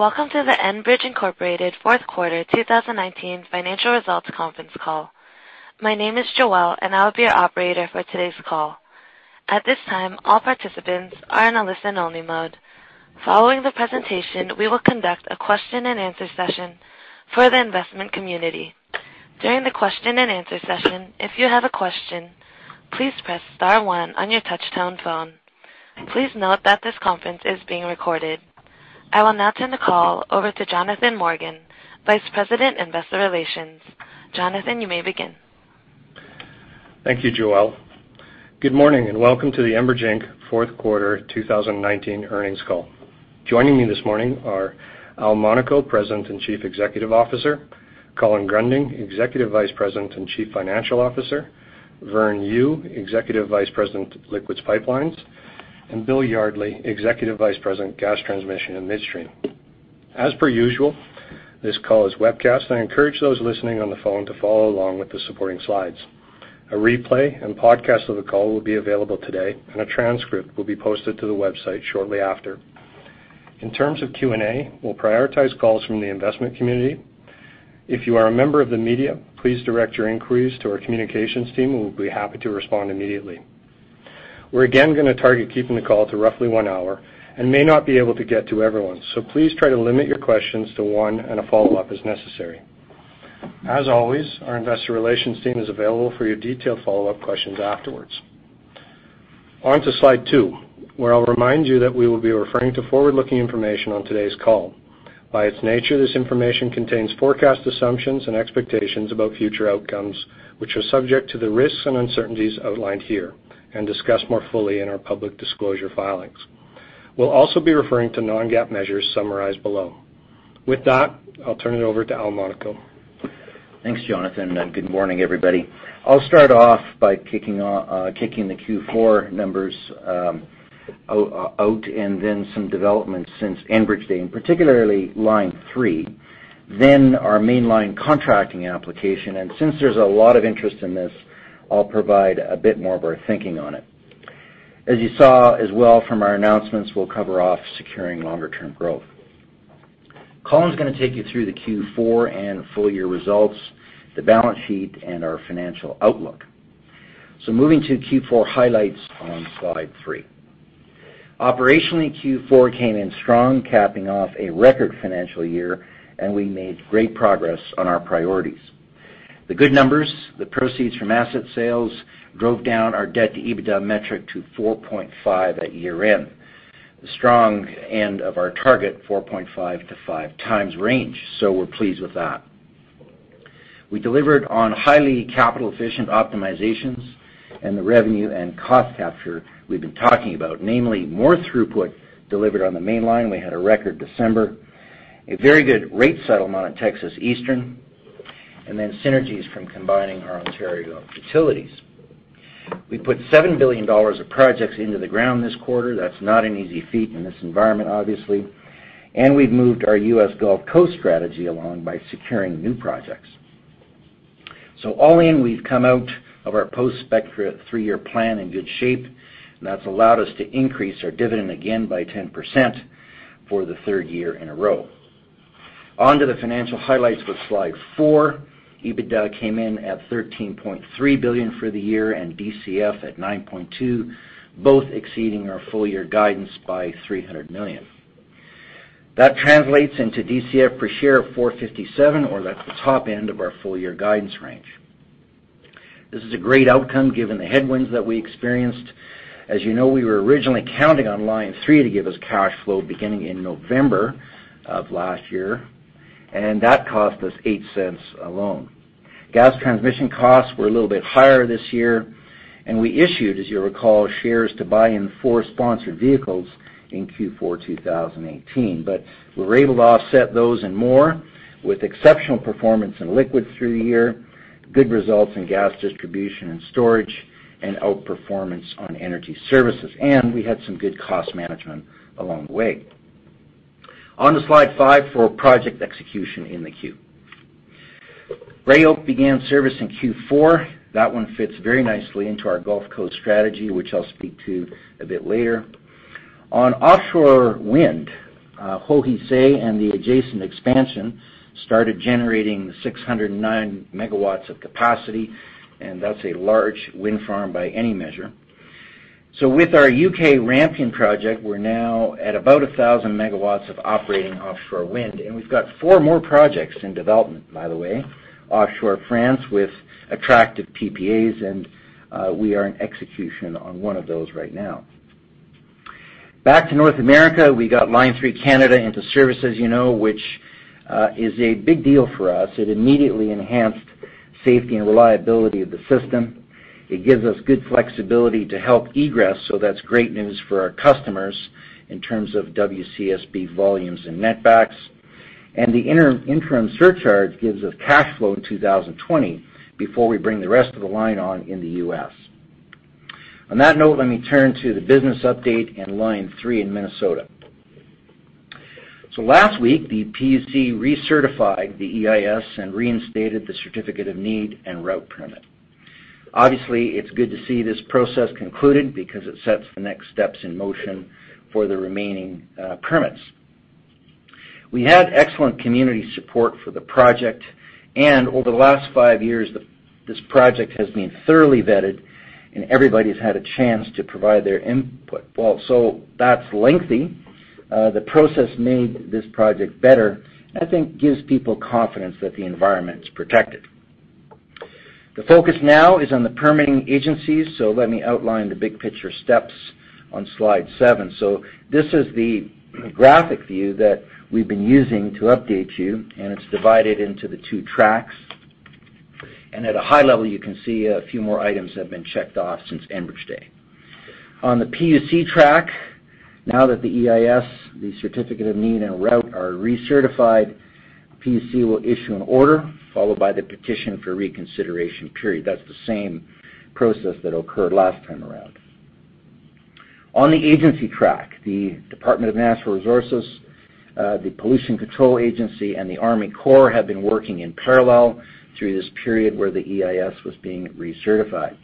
Welcome to the Enbridge Inc. Fourth Quarter 2019 Financial Results Conference Call. My name is Joelle, and I will be your operator for today's call. At this time, all participants are in a listen-only mode. Following the presentation, we will conduct a question and answer session for the investment community. During the question and answer session, if you have a question, please press star one on your touch-tone phone. Please note that this conference is being recorded. I will now turn the call over to Jonathan Morgan, Vice President, Investor Relations. Jonathan, you may begin. Thank you, Joelle. Good morning, and welcome to the Enbridge Inc. Fourth Quarter 2019 Earnings Call. Joining me this morning are Al Monaco, President and Chief Executive Officer, Colin Gruending, Executive Vice President and Chief Financial Officer, Vern Yu, Executive Vice President, Liquids Pipelines, and Bill Yardley, Executive Vice President, Gas Transmission and Midstream. As per usual, this call is webcast, and I encourage those listening on the phone to follow along with the supporting slides. A replay and podcast of the call will be available today, and a transcript will be posted to the website shortly after. In terms of Q&A, we'll prioritize calls from the investment community. If you are a member of the media, please direct your inquiries to our communications team, who will be happy to respond immediately. We're again going to target keeping the call to roughly one hour and may not be able to get to everyone, please try to limit your questions to one and a follow-up as necessary. As always, our investor relations team is available for your detailed follow-up questions afterwards. On to slide two, where I'll remind you that we will be referring to forward-looking information on today's call. By its nature, this information contains forecast assumptions and expectations about future outcomes, which are subject to the risks and uncertainties outlined here and discussed more fully in our public disclosure filings. We'll also be referring to non-GAAP measures summarized below. With that, I'll turn it over to Al Monaco. Thanks, Jonathan, good morning, everybody. I'll start off by kicking the Q4 numbers out and then some developments since Enbridge Day, and particularly Line 3, then our Mainline contracting application. Since there's a lot of interest in this, I'll provide a bit more of our thinking on it. As you saw as well from our announcements, we'll cover off securing longer-term growth. Colin's going to take you through the Q4 and full-year results, the balance sheet, and our financial outlook. Moving to Q4 highlights on slide three. Operationally, Q4 came in strong, capping off a record financial year, and we made great progress on our priorities. The good numbers, the proceeds from asset sales drove down our Debt to EBITDA metric to 4.5x at year-end. The strong end of our target, 4.5x-5x range, so we're pleased with that. We delivered on highly capital-efficient optimizations and the revenue and cost capture we've been talking about, namely more throughput delivered on the Mainline. We had a record December. A very good rate settlement on Texas Eastern, and synergies from combining our Ontario utilities. We put 7 billion dollars of projects into the ground this quarter. That's not an easy feat in this environment, obviously. We've moved our U.S. Gulf Coast strategy along by securing new projects. All in, we've come out of our post-SPECTRA three-year plan in good shape, and that's allowed us to increase our dividend again by 10% for the third year in a row. On to the financial highlights with slide four. EBITDA came in at 13.3 billion for the year and DCF at 9.2 billion, both exceeding our full-year guidance by 300 million. That translates into DCF per share of 4.57, that's the top end of our full-year guidance range. This is a great outcome given the headwinds that we experienced. As you know, we were originally counting on Line 3 to give us cash flow beginning in November of last year, that cost us 0.08 alone. Gas transmission costs were a little bit higher this year, we issued, as you'll recall, shares to buy in four sponsored vehicles in Q4 2018. We were able to offset those and more with exceptional performance in liquids through the year, good results in gas distribution and storage, outperformance on energy services. We had some good cost management along the way. On to slide five for project execution in the queue. Gray Oak began service in Q4. That one fits very nicely into our Gulf Coast strategy, which I'll speak to a bit later. On offshore wind, Hohe See and the adjacent expansion started generating 609 MW of capacity. That's a large wind farm by any measure. With our U.K. Rampion project, we're now at about 1,000 MW of operating offshore wind. We've got four more projects in development, by the way. Offshore France with attractive PPAs. We are in execution on one of those right now. Back to North America, we got Line 3 Canada into service, as you know, which is a big deal for us. It immediately enhanced safety and reliability of the system. It gives us good flexibility to help egress. That's great news for our customers in terms of WCSB volumes and netbacks. The interim surcharge gives us cash flow in 2020 before we bring the rest of the line on in the U.S. On that note, let me turn to the business update and Line 3 in Minnesota. Last week, the PUC recertified the EIS and reinstated the Certificate of Need and route permit. It's good to see this process concluded because it sets the next steps in motion for the remaining permits. We had excellent community support for the project, and over the last five years, this project has been thoroughly vetted and everybody's had a chance to provide their input. While that's lengthy, the process made this project better, I think gives people confidence that the environment is protected. The focus now is on the permitting agencies. Let me outline the big picture steps on slide seven. This is the graphic view that we've been using to update you, and it's divided into the two tracks. At a high level, you can see a few more items have been checked off since Enbridge Day. On the PUC track, now that the EIS, the Certificate of Need and route are recertified, PUC will issue an order followed by the petition for reconsideration period. That's the same process that occurred last time around. On the agency track, the Department of Natural Resources, the Pollution Control Agency, and the Army Corps have been working in parallel through this period where the EIS was being recertified.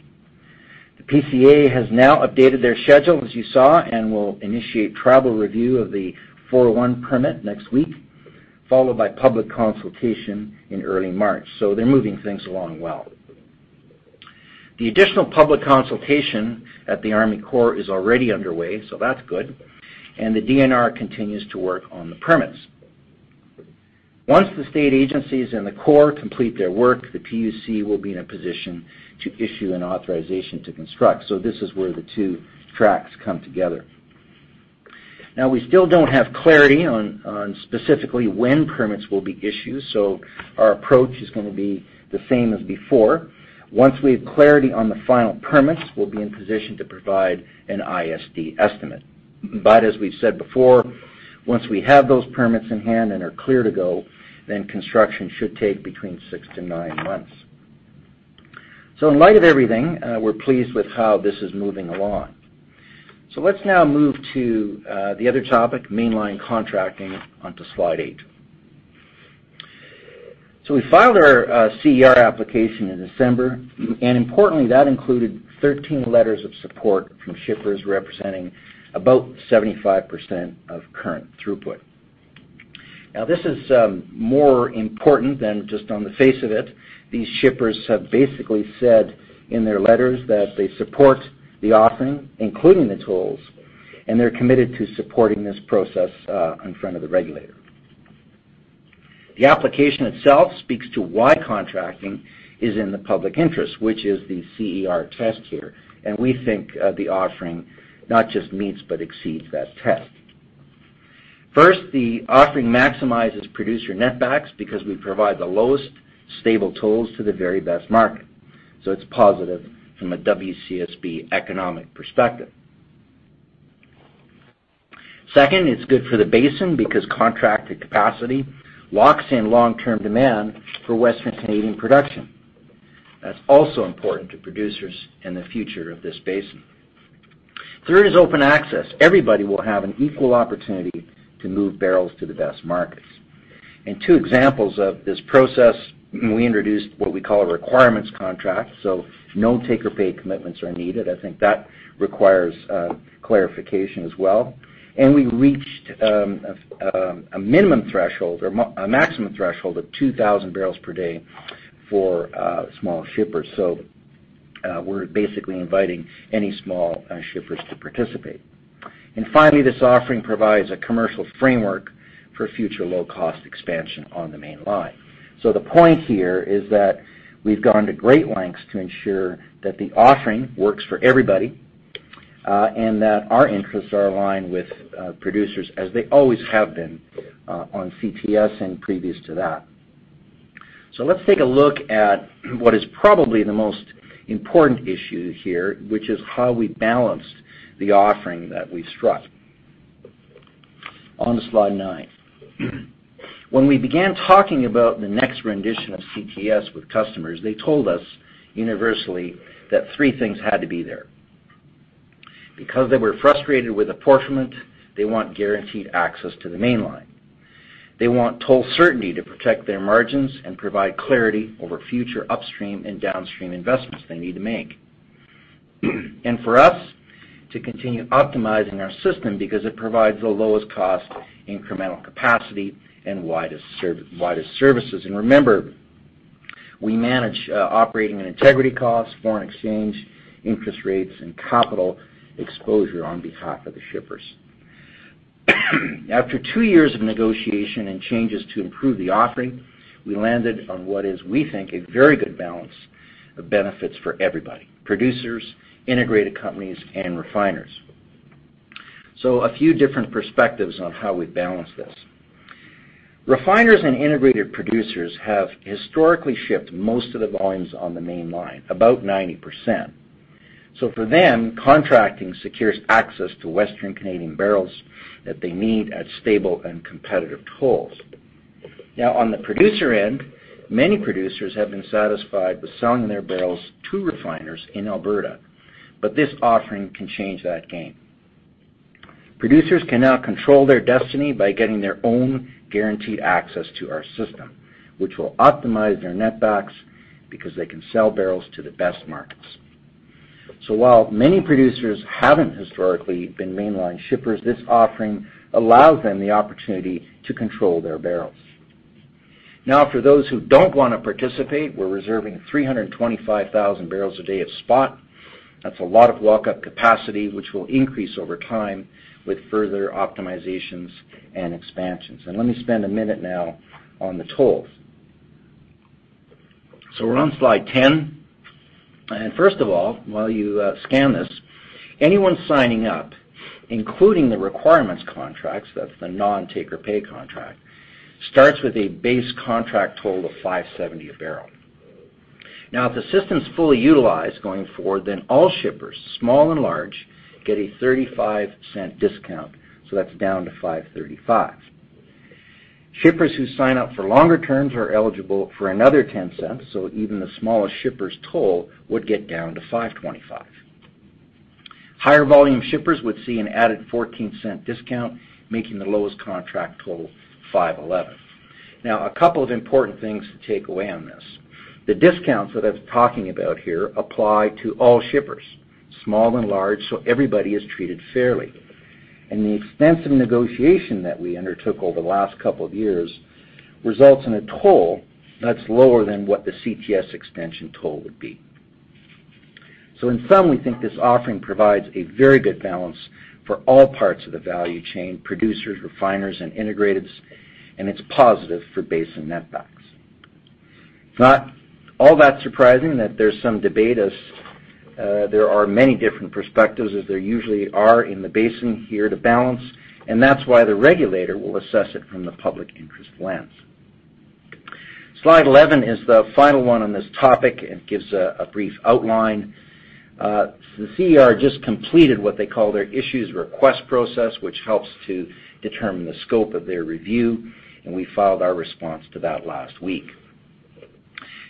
The PCA has now updated their schedule, as you saw, and will initiate travel review of the 401 permit next week, followed by public consultation in early March. They're moving things along well. The additional public consultation at the Army Corps is already underway, that's good, and the DNR continues to work on the permits. Once the state agencies and the Corps complete their work, the PUC will be in a position to issue an authorization to construct. This is where the two tracks come together. We still don't have clarity on specifically when permits will be issued, our approach is going to be the same as before. Once we have clarity on the final permits, we'll be in position to provide an ISD estimate. As we've said before, once we have those permits in hand and are clear to go, then construction should take between six to nine months. In light of everything, we're pleased with how this is moving along. Let's now move to the other topic, Mainline contracting, onto slide eight. We filed our CER application in December, and importantly, that included 13 letters of support from shippers representing about 75% of current throughput. This is more important than just on the face of it. These shippers have basically said in their letters that they support the offering, including the tolls, and they're committed to supporting this process in front of the regulator. The application itself speaks to why contracting is in the public interest, which is the CER test here, and we think the offering not just meets but exceeds that test. First, the offering maximizes producer netbacks because we provide the lowest stable tolls to the very best market. It's positive from a WCSB economic perspective. Second, it's good for the basin because contracted capacity locks in long-term demand for Western Canadian production. That's also important to producers in the future of this basin. Third is open access. Everybody will have an equal opportunity to move barrels to the best markets. Two examples of this process, we introduced what we call a requirements contract, so no take or pay commitments are needed. I think that requires clarification as well. We reached a minimum threshold or a maximum threshold of 2,000 bbl/d for small shippers. We're basically inviting any small shippers to participate. Finally, this offering provides a commercial framework for future low-cost expansion on the Mainline. The point here is that we've gone to great lengths to ensure that the offering works for everybody, and that our interests are aligned with producers as they always have been on CTS and previous to that. Let's take a look at what is probably the most important issue here, which is how we balanced the offering that we struck. On to slide nine. When we began talking about the next rendition of CTS with customers, they told us universally that three things had to be there. Because they were frustrated with apportionment, they want guaranteed access to the Mainline. They want toll certainty to protect their margins and provide clarity over future upstream and downstream investments they need to make. For us, to continue optimizing our system because it provides the lowest cost incremental capacity and widest services. Remember, we manage operating and integrity costs, foreign exchange, interest rates, and capital exposure on behalf of the shippers. After two years of negotiation and changes to improve the offering, we landed on what is, we think, a very good balance of benefits for everybody, producers, integrated companies, and refiners. A few different perspectives on how we balance this. Refiners and integrated producers have historically shipped most of the volumes on the Mainline, about 90%. For them, contracting secures access to Western Canadian barrels that they need at stable and competitive tolls. Now, on the producer end, many producers have been satisfied with selling their barrels to refiners in Alberta. This offering can change that game. Producers can now control their destiny by getting their own guaranteed access to our system, which will optimize their netbacks because they can sell barrels to the best markets. While many producers haven't historically been Mainline shippers, this offering allows them the opportunity to control their barrels. For those who don't want to participate, we're reserving 325,000 bbl a day of spot. That's a lot of walk-up capacity, which will increase over time with further optimizations and expansions. Let me spend a minute now on the tolls. We're on slide 10. First of all, while you scan this, anyone signing up, including the requirements contracts, that's the non-take or pay contract, starts with a base contract total of 5.70 a barrel. If the system's fully utilized going forward, all shippers, small and large, get a 0.35 discount, so that's down to 5.35. Shippers who sign up for longer terms are eligible for another 0.10, so even the smallest shipper's toll would get down to 5.25. Higher volume shippers would see an added 0.14 discount, making the lowest contract toll 5.11. A couple of important things to take away on this. The discounts that I was talking about here apply to all shippers, small and large, so everybody is treated fairly. The extensive negotiation that we undertook over the last couple of years results in a toll that's lower than what the CTS expansion toll would be. In sum, we think this offering provides a very good balance for all parts of the value chain, producers, refiners, and integrateds, and it's positive for basin netbacks. It's not all that surprising that there's some debate, as there are many different perspectives, as there usually are in the basin here to balance, and that's why the regulator will assess it from the public interest lens. Slide 11 is the final one on this topic, and it gives a brief outline. The CER just completed what they call their issues request process, which helps to determine the scope of their review, and we filed our response to that last week.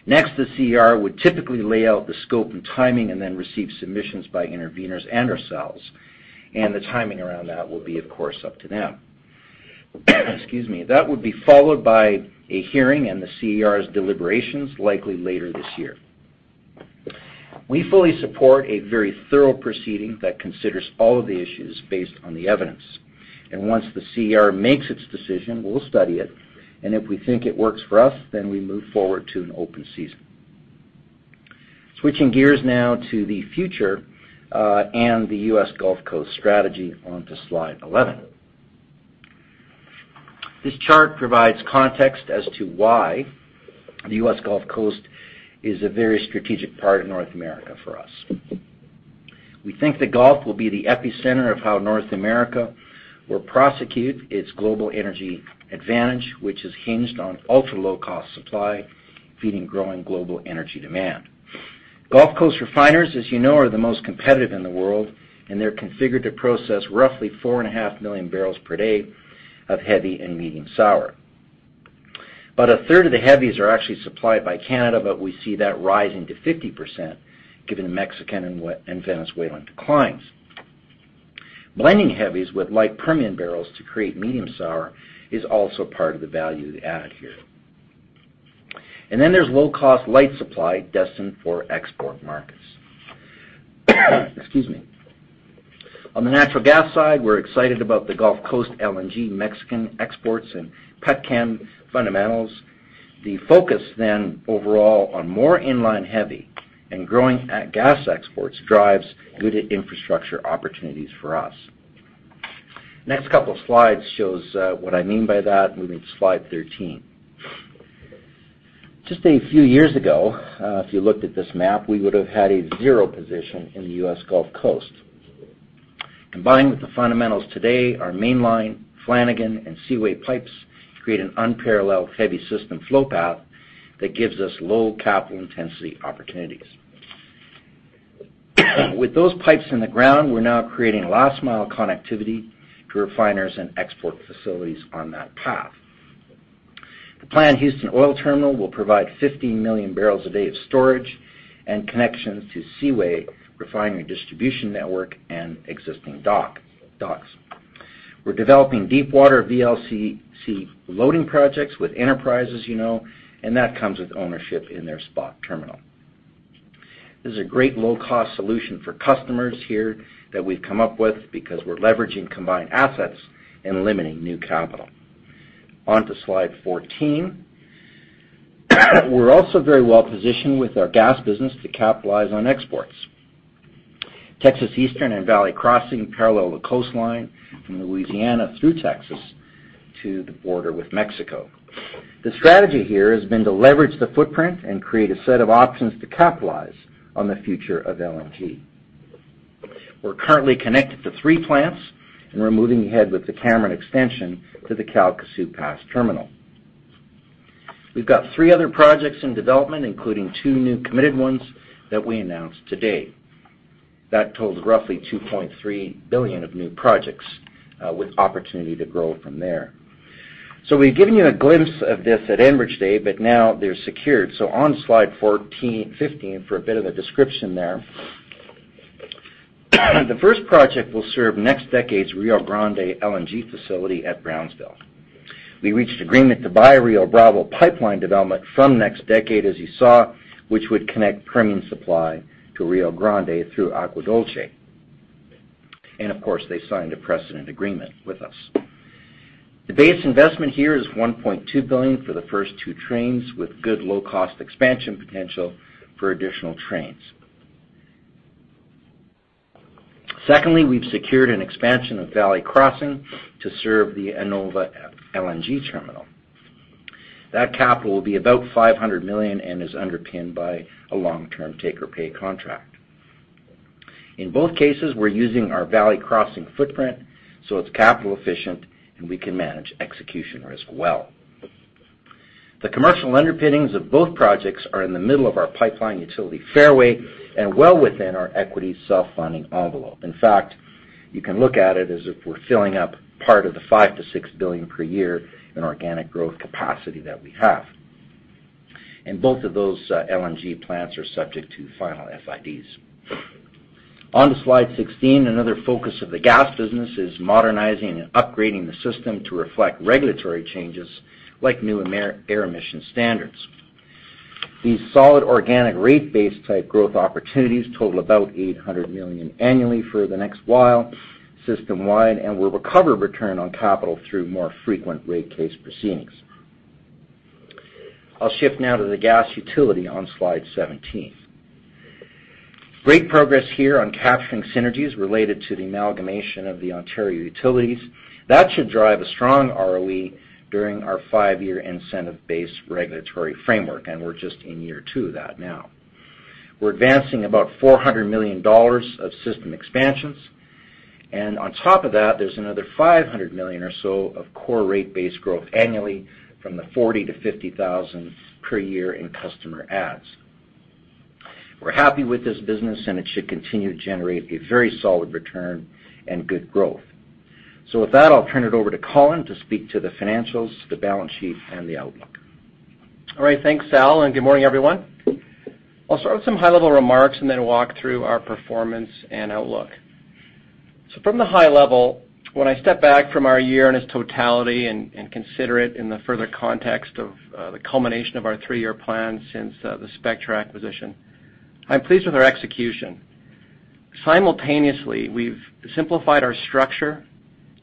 The CER would typically lay out the scope and timing and then receive submissions by interveners and ourselves, and the timing around that will be, of course, up to them. Excuse me. That would be followed by a hearing and the CER's deliberations, likely later this year. We fully support a very thorough proceeding that considers all of the issues based on the evidence. Once the CER makes its decision, we'll study it, and if we think it works for us, then we move forward to an open season. Switching gears now to the future, the U.S. Gulf Coast strategy onto slide 11. This chart provides context as to why the U.S. Gulf Coast is a very strategic part of North America for us. We think the Gulf will be the epicenter of how North America will prosecute its global energy advantage, which is hinged on ultra-low-cost supply, feeding growing global energy demand. Gulf Coast refiners, as you know, are the most competitive in the world, and they're configured to process roughly 4.5 MMbpd of heavy and medium sour. About a third of the heavies are actually supplied by Canada, but we see that rising to 50% given the Mexican and Venezuelan declines. Blending heavies with light Permian barrels to create medium sour is also part of the value add here. There's low-cost light supply destined for export markets. Excuse me. On the natural gas side, we're excited about the Gulf Coast LNG Mexican exports and Petchem fundamentals. The focus overall on more Mainline heavy and growing gas exports drives good infrastructure opportunities for us. Next couple of slides shows what I mean by that, moving to slide 13. Just a few years ago, if you looked at this map, we would have had a zero position in the U.S. Gulf Coast. Combined with the fundamentals today, our Mainline Flanagan and Seaway pipes create an unparalleled heavy system flow path that gives us low capital intensity opportunities. With those pipes in the ground, we're now creating last-mile connectivity to refiners and export facilities on that path. The planned Houston Oil Terminal will provide 50 MMbpd of storage and connections to Seaway refinery distribution network and existing docks. We're developing deepwater VLCC loading projects with Enterprise, as you know, and that comes with ownership in their SPOT Terminal. This is a great low-cost solution for customers here that we've come up with because we're leveraging combined assets and limiting new capital. On to slide 14. We're also very well-positioned with our gas business to capitalize on exports. Texas Eastern and Valley Crossing parallel the coastline from Louisiana through Texas to the border with Mexico. The strategy here has been to leverage the footprint and create a set of options to capitalize on the future of LNG. We're currently connected to three plants, and we're moving ahead with the Cameron extension to the Calcasieu Pass terminal. We've got three other projects in development, including two new committed ones that we announced today. That totals roughly 2.3 billion of new projects with opportunity to grow from there. We've given you a glimpse of this at Enbridge Day, but now they're secured. On slide 15, for a bit of a description there. The first project will serve NextDecade's Rio Grande LNG facility at Brownsville. We reached agreement to buy Rio Bravo Pipeline development from NextDecade, as you saw, which would connect premium supply to Rio Grande through Agua Dulce. Of course, they signed a precedent agreement with us. The base investment here is 1.2 billion for the first two trains, with good low-cost expansion potential for additional trains. Secondly, we've secured an expansion of Valley Crossing to serve the Annova LNG terminal. That capital will be about 500 million and is underpinned by a long-term take-or-pay contract. In both cases, we're using our Valley Crossing footprint. It's capital efficient and we can manage execution risk well. The commercial underpinnings of both projects are in the middle of our pipeline utility fairway and well within our equity self-funding envelope. In fact, you can look at it as if we're filling up part of the 5 billion-6 billion per year in organic growth capacity that we have. Both of those LNG plants are subject to final FIDs. On to slide 16. Another focus of the gas business is modernizing and upgrading the system to reflect regulatory changes like new air emission standards. These solid organic rate base-type growth opportunities total about 800 million annually for the next while system-wide, and will recover return on capital through more frequent rate case proceedings. I'll shift now to the gas utility on slide 17. Great progress here on capturing synergies related to the amalgamation of the Ontario utilities. That should drive a strong ROE during our five-year incentive-based regulatory framework, and we're just in year two of that now. We're advancing about 400 million dollars of system expansions. On top of that, there's another 500 million or so of core rate base growth annually from the 40,000-50,000 per year in customer adds. We're happy with this business and it should continue to generate a very solid return and good growth. With that, I'll turn it over to Colin to speak to the financials, the balance sheet, and the outlook. All right. Thanks, Al. Good morning, everyone. I'll start with some high-level remarks and then walk through our performance and outlook. From the high level, when I step back from our year in its totality and consider it in the further context of the culmination of our three-year plan since the Spectra acquisition, I'm pleased with our execution. Simultaneously, we've simplified our structure,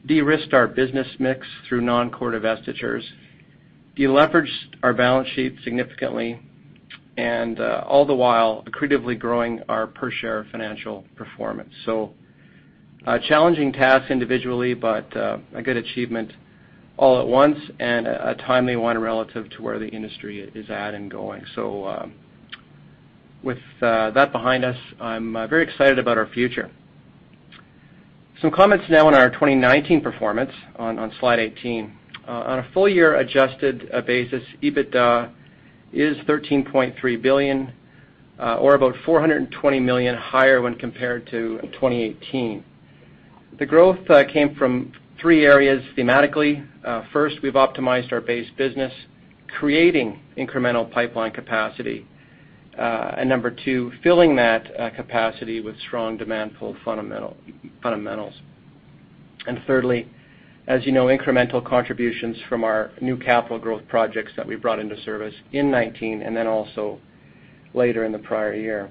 de-risked our business mix through non-core divestitures, de-leveraged our balance sheet significantly, and all the while, accretively growing our per-share financial performance. A challenging task individually, but a good achievement all at once and a timely one relative to where the industry is at and going. With that behind us, I'm very excited about our future. Some comments now on our 2019 performance on slide 18. On a full-year adjusted basis, EBITDA is 13.3 billion or about 420 million higher when compared to 2018. The growth came from three areas thematically. First, we've optimized our base business, creating incremental pipeline capacity. Number two, filling that capacity with strong demand pull fundamentals. Thirdly, as you know, incremental contributions from our new capital growth projects that we brought into service in 2019, and then also later in the prior year.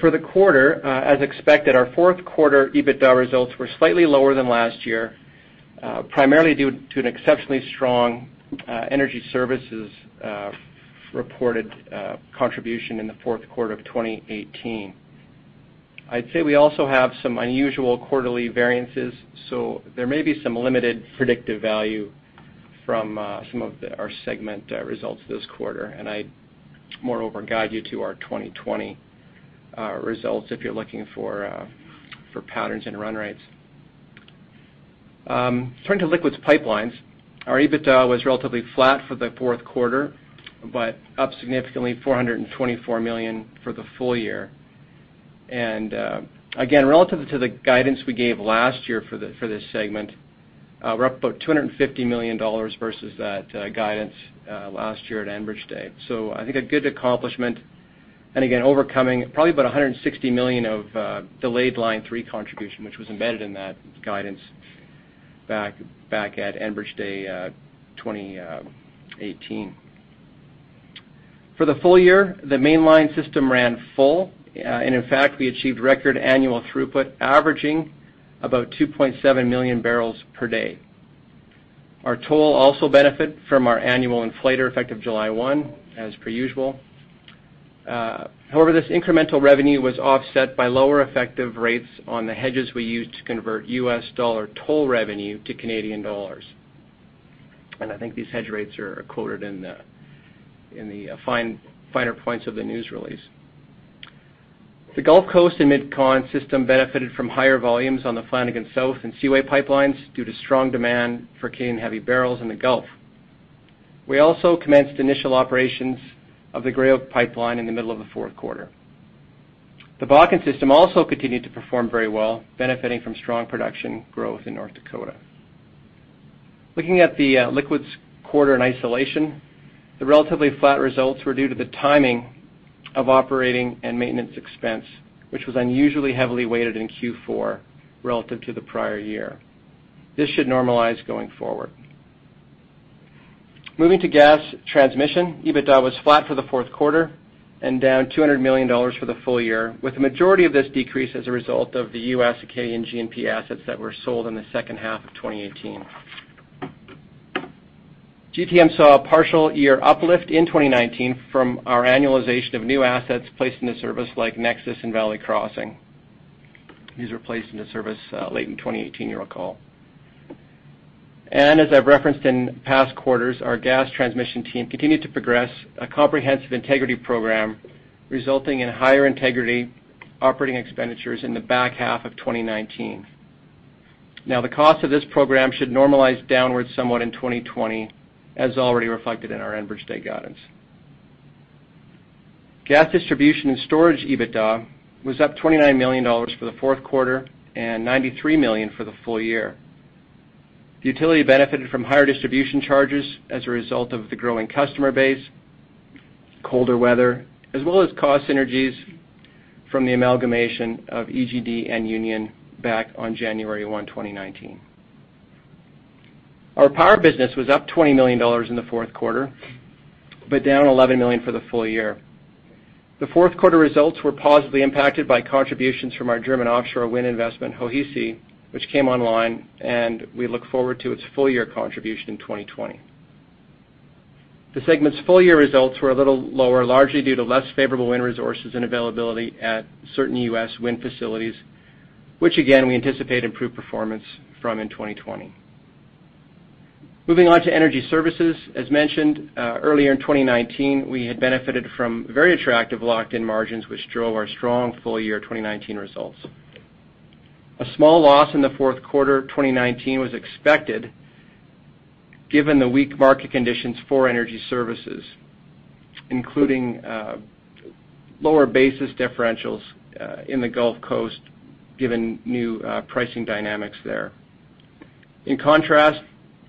For the quarter, as expected, our fourth quarter EBITDA results were slightly lower than last year, primarily due to an exceptionally strong energy services reported contribution in the fourth quarter of 2018. I'd say we also have some unusual quarterly variances, so there may be some limited predictive value from some of our segment results this quarter. I'd moreover guide you to our 2020 results if you're looking for patterns and run rates. Turning to Liquids Pipelines. Our EBITDA was relatively flat for the fourth quarter, up significantly 424 million for the full year. Again, relative to the guidance we gave last year for this segment, we're up about 250 million dollars versus that guidance last year at Enbridge Day. I think a good accomplishment. Again, overcoming probably about 160 million of delayed Line 3 contribution, which was embedded in that guidance back at Enbridge Day 2018. For the full year, the Mainline system ran full. In fact, we achieved record annual throughput averaging about 2.7 MMbpd. Our toll also benefit from our annual inflator effective July 1, 2019, as per usual. However, this incremental revenue was offset by lower effective rates on the hedges we used to convert U.S. dollar toll revenue to Canadian dollars. I think these hedge rates are quoted in the finer points of the news release. The Gulf Coast and Mid-Con system benefited from higher volumes on the Flanagan South and Seaway pipelines due to strong demand for Canadian heavy barrels in the Gulf. We also commenced initial operations of the Gray Oak pipeline in the middle of the fourth quarter. The Bakken system also continued to perform very well, benefiting from strong production growth in North Dakota. Looking at the liquids quarter in isolation, the relatively flat results were due to the timing of operating and maintenance expense, which was unusually heavily weighted in Q4 relative to the prior year. This should normalize going forward. Moving to gas transmission, EBITDA was flat for the fourth quarter and down 200 million dollars for the full year, with the majority of this decrease as a result of the U.S. Acadian G&P assets that were sold in the second half of 2018. GTM saw a partial year uplift in 2019 from our annualization of new assets placed into service like NEXUS and Valley Crossing. These were placed into service late in 2018, you'll recall. As I've referenced in past quarters, our gas transmission team continued to progress a comprehensive integrity program, resulting in higher integrity operating expenditures in the back half of 2019. The cost of this program should normalize downwards somewhat in 2020, as already reflected in our Enbridge Day guidance. Gas distribution and storage EBITDA was up 29 million dollars for the fourth quarter and 93 million for the full year. The utility benefited from higher distribution charges as a result of the growing customer base, colder weather, as well as cost synergies from the amalgamation of EGD and Union back on January 1, 2019. Our power business was up 20 million dollars in the fourth quarter, but down 11 million for the full year. The fourth quarter results were positively impacted by contributions from our German offshore wind investment, Hohe See, which came online, and we look forward to its full-year contribution in 2020. The segment's full-year results were a little lower, largely due to less favorable wind resources and availability at certain U.S. wind facilities, which again, we anticipate improved performance from in 2020. Moving on to energy services. As mentioned, earlier in 2019, we had benefited from very attractive locked-in margins, which drove our strong full year 2019 results. A small loss in the fourth quarter 2019 was expected given the weak market conditions for energy services, including lower basis differentials in the Gulf Coast given new pricing dynamics there. In contrast,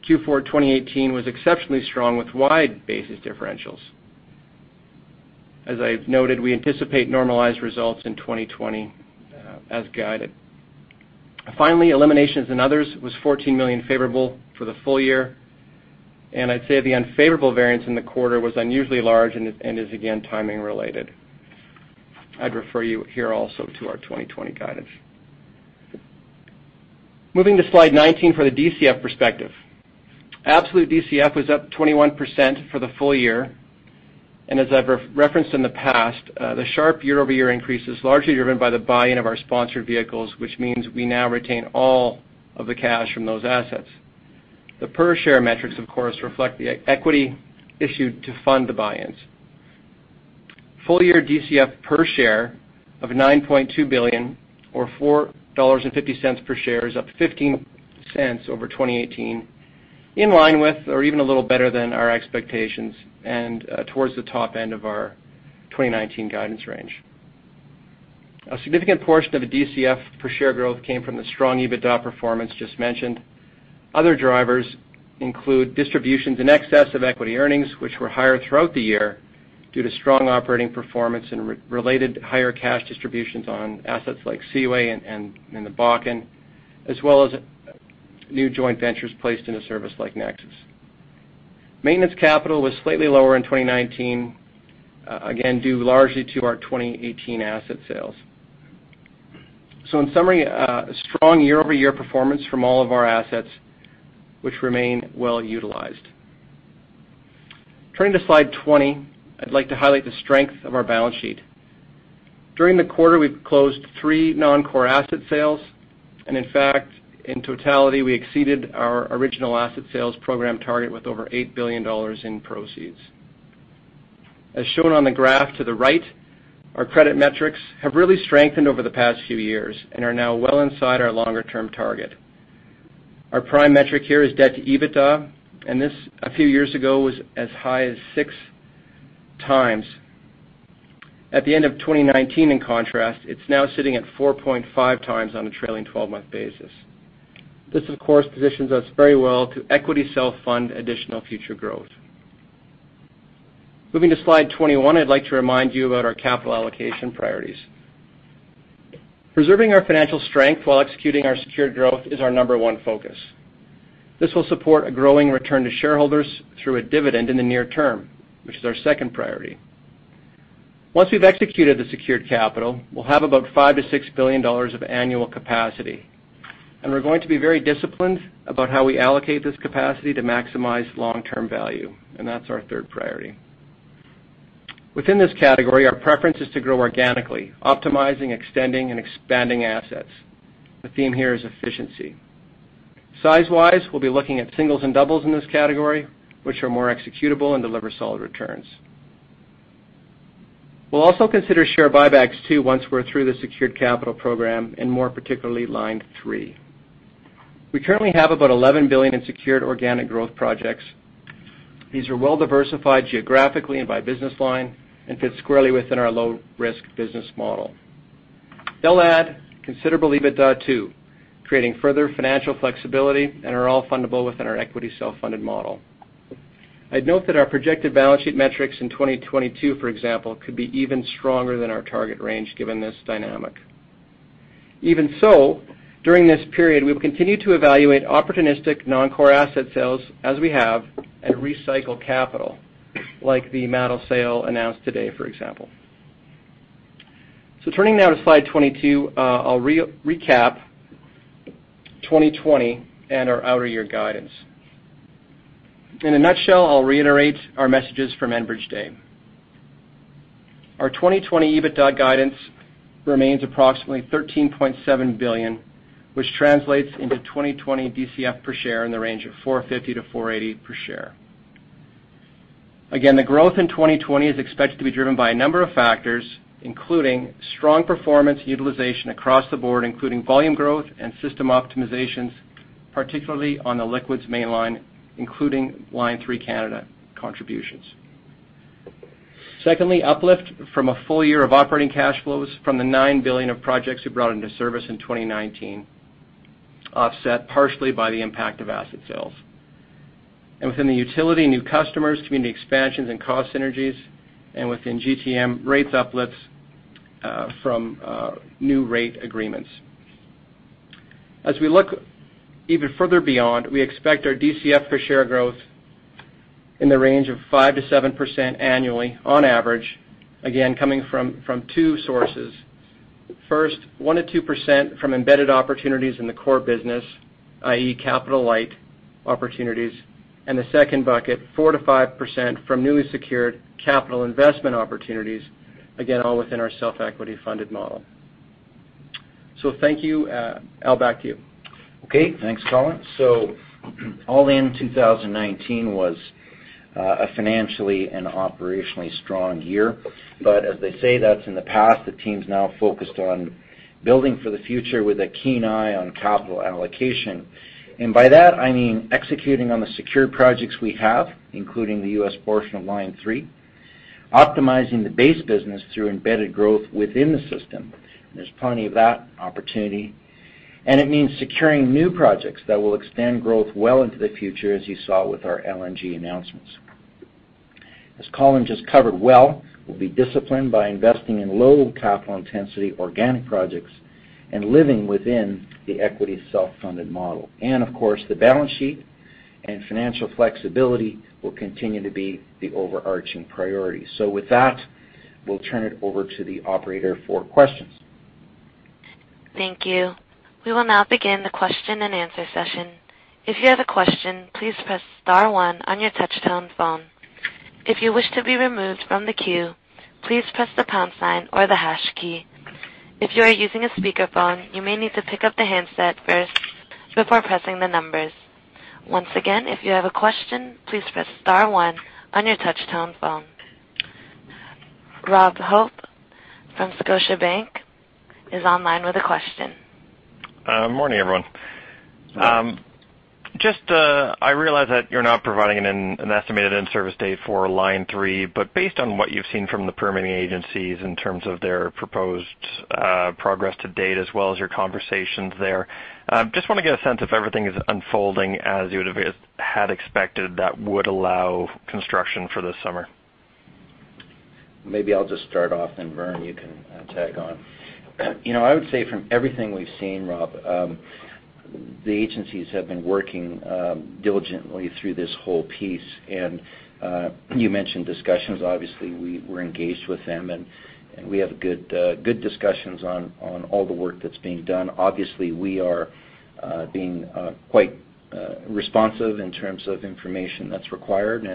Q4 2018 was exceptionally strong with wide basis differentials. As I've noted, we anticipate normalized results in 2020 as guided. Eliminations in others was 14 million favorable for the full year, and I'd say the unfavorable variance in the quarter was unusually large and is again timing related. I'd refer you here also to our 2020 guidance. Moving to slide 19 for the DCF perspective. Absolute DCF was up 21% for the full year, and as I've referenced in the past, the sharp year-over-year increase is largely driven by the buy-in of our sponsored vehicles, which means we now retain all of the cash from those assets. The per-share metrics, of course, reflect the equity issued to fund the buy-ins. Full-year DCF per share of 9.2 billion or 4.50 dollars per share is up 0.15 over 2018, in line with or even a little better than our expectations and towards the top end of our 2019 guidance range. A significant portion of the DCF per share growth came from the strong EBITDA performance just mentioned. Other drivers include distributions in excess of equity earnings, which were higher throughout the year due to strong operating performance and related higher cash distributions on assets like Seaway and the Bakken, as well as new joint ventures placed in a service like NEXUS. Maintenance capital was slightly lower in 2019, again, due largely to our 2018 asset sales. In summary, a strong year-over-year performance from all of our assets, which remain well-utilized. Turning to slide 20, I'd like to highlight the strength of our balance sheet. During the quarter, we've closed three non-core asset sales, and in fact, in totality, we exceeded our original asset sales program target with over 8 billion dollars in proceeds. As shown on the graph to the right, our credit metrics have really strengthened over the past few years and are now well inside our longer-term target. Our prime metric here is Debt to EBITDA, and this a few years ago was as high as 6x. At the end of 2019, in contrast, it's now sitting at 4.5x on a trailing 12-month basis. This, of course, positions us very well to equity self-fund additional future growth. Moving to slide 21, I'd like to remind you about our capital allocation priorities. Preserving our financial strength while executing our secured growth is our number one focus. This will support a growing return to shareholders through a dividend in the near term, which is our second priority. Once we've executed the secured capital, we'll have about 5 billion-6 billion dollars of annual capacity, and we're going to be very disciplined about how we allocate this capacity to maximize long-term value, and that's our third priority. Within this category, our preference is to grow organically, optimizing, extending, and expanding assets. The theme here is efficiency. Size-wise, we'll be looking at singles and doubles in this category, which are more executable and deliver solid returns. We'll also consider share buybacks too once we're through the secured capital program, and more particularly Line 3. We currently have about 11 billion in secured organic growth projects. These are well-diversified geographically and by business line and fit squarely within our low-risk business model. They'll add considerable EBITDA too, creating further financial flexibility and are all fundable within our equity self-funded model. I'd note that our projected balance sheet metrics in 2022, for example, could be even stronger than our target range given this dynamic. Even so, during this period, we will continue to evaluate opportunistic non-core asset sales as we have and recycle capital, like the MATL sale announced today, for example. Turning now to slide 22, I'll recap 2020 and our outer year guidance. In a nutshell, I'll reiterate our messages from Enbridge Day. Our 2020 EBITDA guidance remains approximately 13.7 billion, which translates into 2020 DCF per share in the range of 4.50-4.80 per share. The growth in 2020 is expected to be driven by a number of factors, including strong performance utilization across the board, including volume growth and system optimizations, particularly on the Liquids Mainline, including Line 3 Canada contributions. Secondly, uplift from a full year of operating cash flows from the 9 billion of projects we brought into service in 2019, offset partially by the impact of asset sales. Within the utility, new customers, community expansions, and cost synergies, and within GTM, rates uplifts from new rate agreements. As we look even further beyond, we expect our DCF per share growth in the range of 5%-7% annually on average, again, coming from two sources. First, 1%-2% from embedded opportunities in the core business, i.e., capital-light opportunities, and the second bucket, 4%-5% from newly secured capital investment opportunities, again, all within our self-equity funded model. Thank you. Al, back to you. Okay, thanks, Colin. All in 2019 was a financially and operationally strong year. As they say, that's in the past. The team's now focused on building for the future with a keen eye on capital allocation. By that, I mean executing on the secure projects we have, including the U.S. portion of Line 3, optimizing the base business through embedded growth within the system. There's plenty of that opportunity. It means securing new projects that will extend growth well into the future, as you saw with our LNG announcements. As Colin just covered well, we'll be disciplined by investing in low capital intensity organic projects and living within the equity self-funded model. Of course, the balance sheet and financial flexibility will continue to be the overarching priority. With that, we'll turn it over to the operator for questions. Thank you. We will now begin the question and answer session. If you have a question, please press star one on your touch-tone phone. If you wish to be removed from the queue, please press the pound sign or the hash key. If you are using a speakerphone, you may need to pick up the handset first before pressing the numbers. Once again, if you have a question, please press star one on your touch-tone phone. Rob Hope from Scotiabank is online with a question. Morning, everyone. Morning. Just I realize that you're not providing an estimated in-service date for Line 3, but based on what you've seen from the permitting agencies in terms of their proposed progress to date as well as your conversations there, just want to get a sense if everything is unfolding as you would have had expected that would allow construction for this summer. Maybe I'll just start off. Vern, you can tag on. I would say from everything we've seen, Rob, the agencies have been working diligently through this whole piece. You mentioned discussions, obviously, we're engaged with them, and we have good discussions on all the work that's being done. Obviously, we are being quite responsive in terms of information that's required.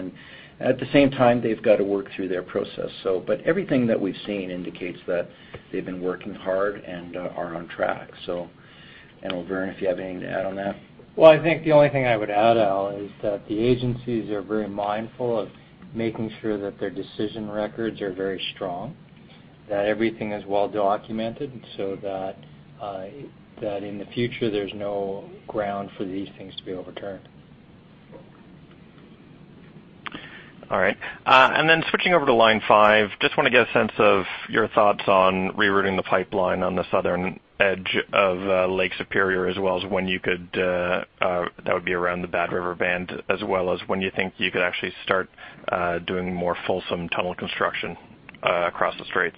At the same time, they've got to work through their process. Everything that we've seen indicates that they've been working hard and are on track. Vern, if you have anything to add on that. Well, I think the only thing I would add, Al, is that the agencies are very mindful of making sure that their decision records are very strong, that everything is well documented so that in the future, there's no ground for these things to be overturned. All right. Switching over to Line 5, just want to get a sense of your thoughts on rerouting the pipeline on the southern edge of Lake Superior, as well as when you think you could actually start doing more fulsome tunnel construction across the straits.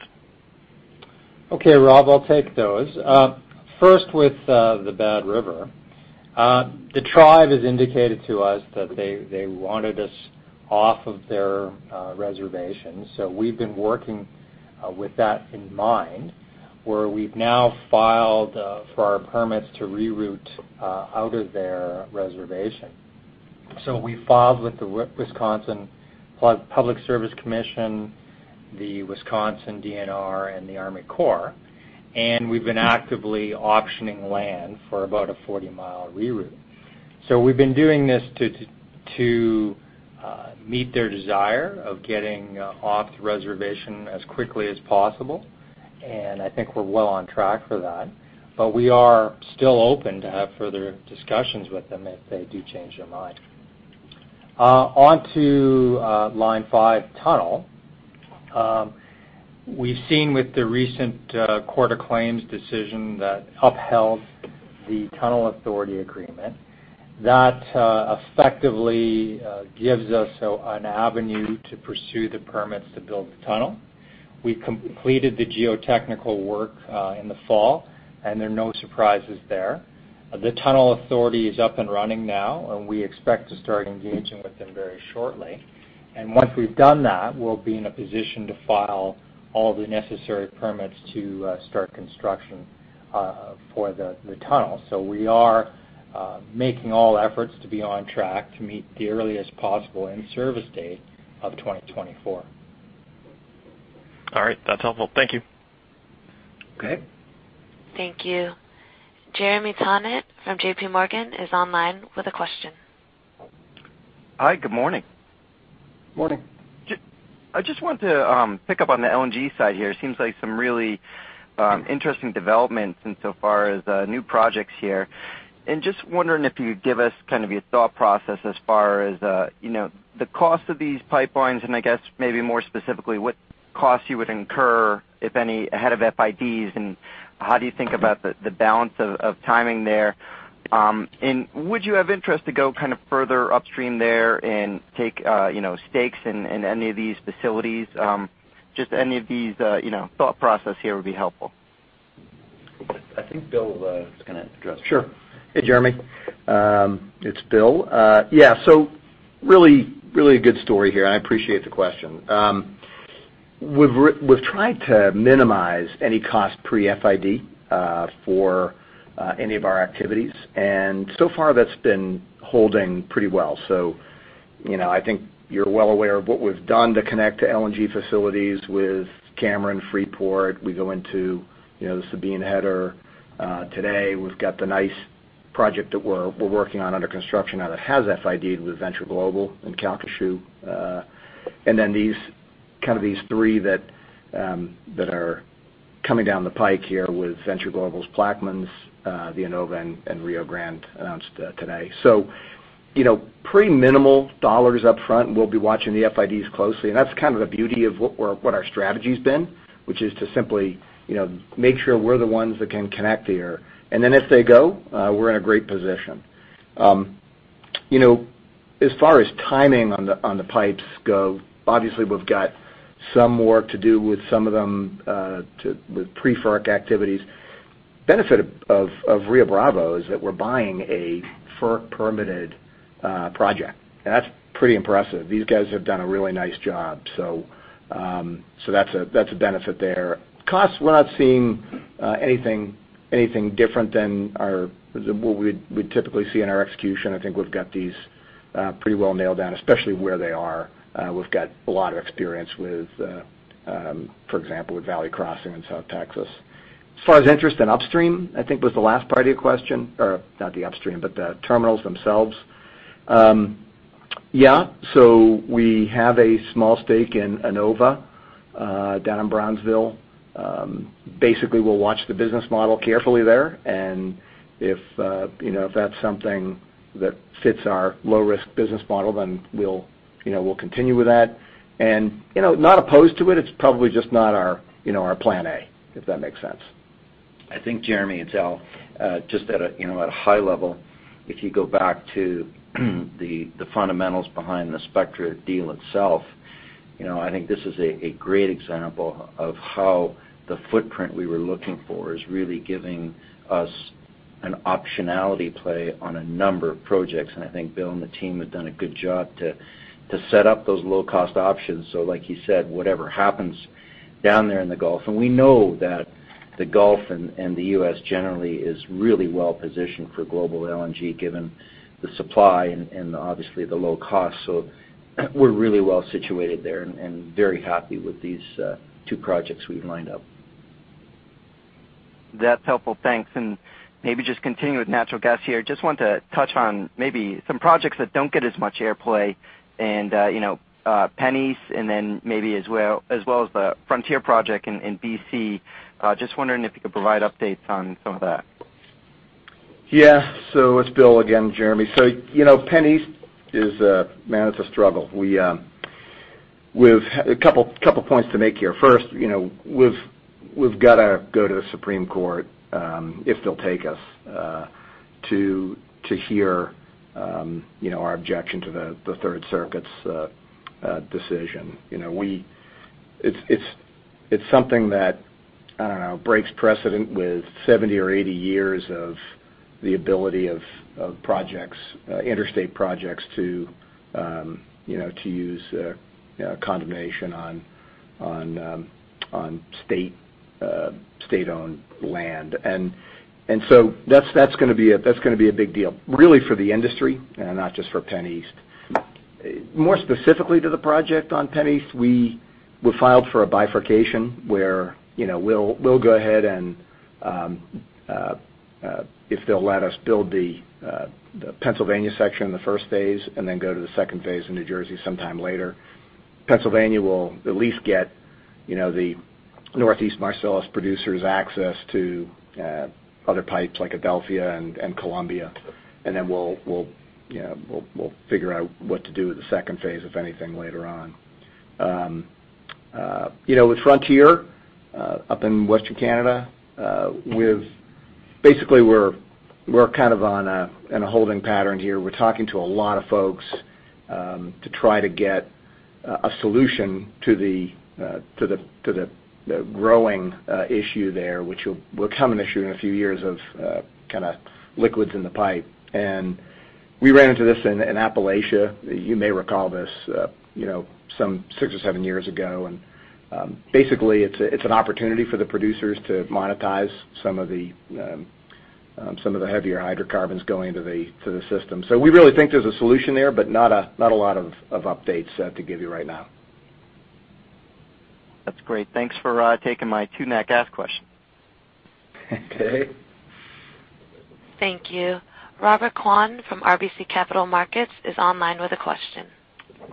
Okay, Rob, I'll take those. First with the Bad River. The tribe has indicated to us that they wanted us off of their reservation. We've been working with that in mind, where we've now filed for our permits to reroute out of their reservation. We filed with the Wisconsin Public Service Commission, the Wisconsin DNR, and the Army Corps, and we've been actively auctioning land for about a 40-mile reroute. We've been doing this to meet their desire of getting off the reservation as quickly as possible, and I think we're well on track for that. We are still open to have further discussions with them if they do change their mind. On to Line 5 Tunnel. We've seen with the recent Court of Claims decision that upheld the Tunnel Authority Agreement. That effectively gives us an avenue to pursue the permits to build the tunnel. We completed the geotechnical work in the fall, and there are no surprises there. The Tunnel Authority is up and running now, and we expect to start engaging with them very shortly. Once we've done that, we'll be in a position to file all the necessary permits to start construction for the tunnel. We are making all efforts to be on track to meet the earliest possible in-service date of 2024. All right. That's helpful. Thank you. Okay. Thank you. Jeremy Tonet from JPMorgan is online with a question. Hi. Good morning. Morning. I just wanted to pick up on the LNG side here. Seems like some really interesting developments in so far as new projects here. Just wondering if you could give us kind of your thought process as far as the cost of these pipelines and I guess maybe more specifically, what cost you would incur, if any, ahead of FIDs, and how do you think about the balance of timing there. Would you have interest to go kind of further upstream there and take stakes in any of these facilities? Just any of these thought process here would be helpful. I think Bill is going to address that. Sure. Hey, Jeremy. It's Bill. Really a good story here, and I appreciate the question. We've tried to minimize any cost pre-FID for any of our activities, and so far that's been holding pretty well. I think you're well aware of what we've done to connect to LNG facilities with Cameron, Freeport. We go into the Sabine Header. Today, we've got the nice project that we're working on under construction now that has FID with Venture Global and Calcasieu. Kind of these three that are coming down the pike here with Venture Global's Plaquemines, the Annova and Rio Grande announced today. Pretty minimal dollars upfront. We'll be watching the FIDs closely. That's kind of the beauty of what our strategy's been, which is to simply make sure we're the ones that can connect here. If they go, we're in a great position. As far as timing on the pipes go, obviously, we've got some work to do with some of them with pre-FERC activities. Benefit of Rio Bravo is that we're buying a FERC-permitted project. That's pretty impressive. These guys have done a really nice job. That's a benefit there. Cost, we're not seeing anything different than what we'd typically see in our execution. I think we've got these pretty well nailed down, especially where they are. We've got a lot of experience, for example, with Valley Crossing in South Texas. As far as interest in upstream, I think was the last part of your question. Not the upstream, but the terminals themselves. Yeah. We have a small stake in Annova down in Brownsville. Basically, we'll watch the business model carefully there, and if that's something that fits our low-risk business model, then we'll continue with that. Not opposed to it's probably just not our plan A, if that makes sense. I think Jeremy, it's Al. Just at a high level, if you go back to the fundamentals behind the Spectra deal itself, I think this is a great example of how the footprint we were looking for is really giving us an optionality play on a number of projects. I think Bill and the team have done a good job to set up those low-cost options. Like you said, whatever happens down there in the Gulf. We know that the Gulf and the U.S. generally is really well-positioned for global LNG, given the supply and obviously the low cost. We're really well-situated there and very happy with these two projects we've lined up. That's helpful. Thanks. Maybe just continuing with natural gas here. Just want to touch on maybe some projects that don't get as much airplay and PennEast, and then maybe as well as the Frontier Project in B.C. Just wondering if you could provide updates on some of that. Yeah. It's Bill again, Jeremy. PennEast, man, it's a struggle. A couple points to make here. First, we've got to go to the Supreme Court, if they'll take us, to hear our objection to the Third Circuit's decision. It's something that, I don't know, breaks precedent with 70 or 80 years of the ability of interstate projects to use condemnation on state-owned land. That's going to be a big deal. Really for the industry, not just for PennEast. More specifically to the project on PennEast, we filed for a bifurcation where we'll go ahead and, if they'll let us, build the Pennsylvania section in the first phase, and then go to the second phase in New Jersey sometime later. Pennsylvania will at least get the Northeast Marcellus producers access to other pipes like Adelphia and Columbia. We'll figure out what to do with the second phase, if anything, later on. With Frontier up in Western Canada, basically we're kind of in a holding pattern here. We're talking to a lot of folks to try to get a solution to the growing issue there, which will become an issue in a few years of liquids in the pipe. We ran into this in Appalachia. You may recall this some six or seven years ago. It's an opportunity for the producers to monetize some of the heavier hydrocarbons going to the system. We really think there's a solution there. Not a lot of updates to give you right now. That's great. Thanks for taking my two Nat Gas questions. Okay. Thank you. Robert Kwan from RBC Capital Markets is online with a question.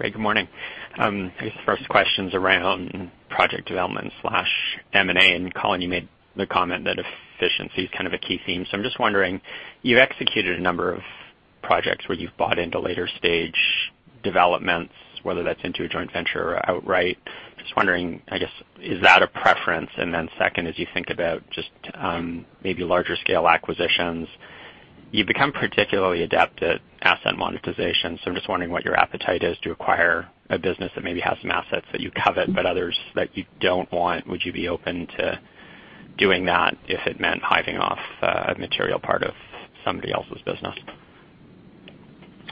Hey, good morning. I guess the first question's around project development/M&A, and Colin, you made the comment that efficiency is kind of a key theme. I'm just wondering, you've executed a number of projects where you've bought into later stage developments, whether that's into a joint venture or outright. Just wondering, I guess, is that a preference? Second, as you think about just maybe larger scale acquisitions, you've become particularly adept at asset monetization. I'm just wondering what your appetite is to acquire a business that maybe has some assets that you covet, but others that you don't want. Would you be open to doing that if it meant hiving off a material part of somebody else's business?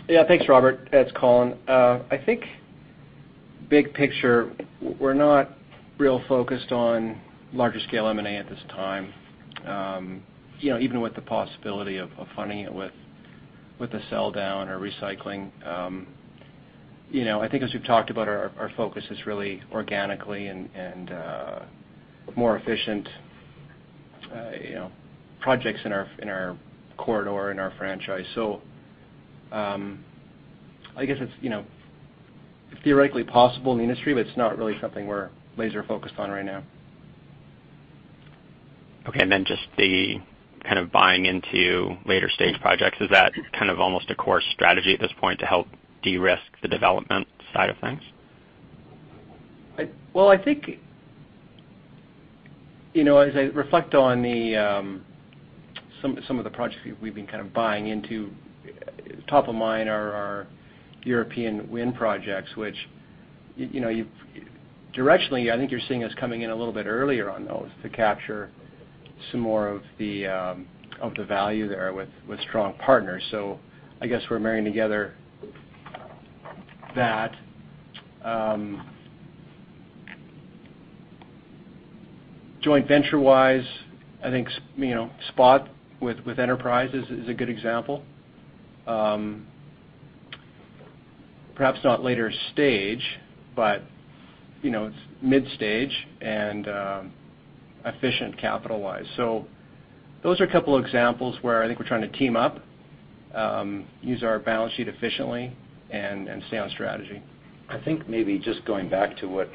Thanks, Robert. It's Colin. I think big picture, we're not real focused on larger scale M&A at this time. Even with the possibility of funding it with the sell down or recycling. I think as we've talked about, our focus is really organically and more efficient projects in our corridor, in our franchise. I guess it's theoretically possible in the industry, but it's not really something we're laser focused on right now. Okay, then just the kind of buying into later stage projects. Is that kind of almost a core strategy at this point to help de-risk the development side of things? Well, I think as I reflect on some of the projects we've been kind of buying into, top of mind are our European wind projects, which directionally, I think you're seeing us coming in a little bit earlier on those to capture some more of the value there with strong partners. I guess we're marrying together that. Joint venture-wise, I think SPOT with Enterprise is a good example. Perhaps not later stage, but mid stage and efficient capital-wise. Those are a couple examples where I think we're trying to team up, use our balance sheet efficiently, and stay on strategy. I think maybe just going back to what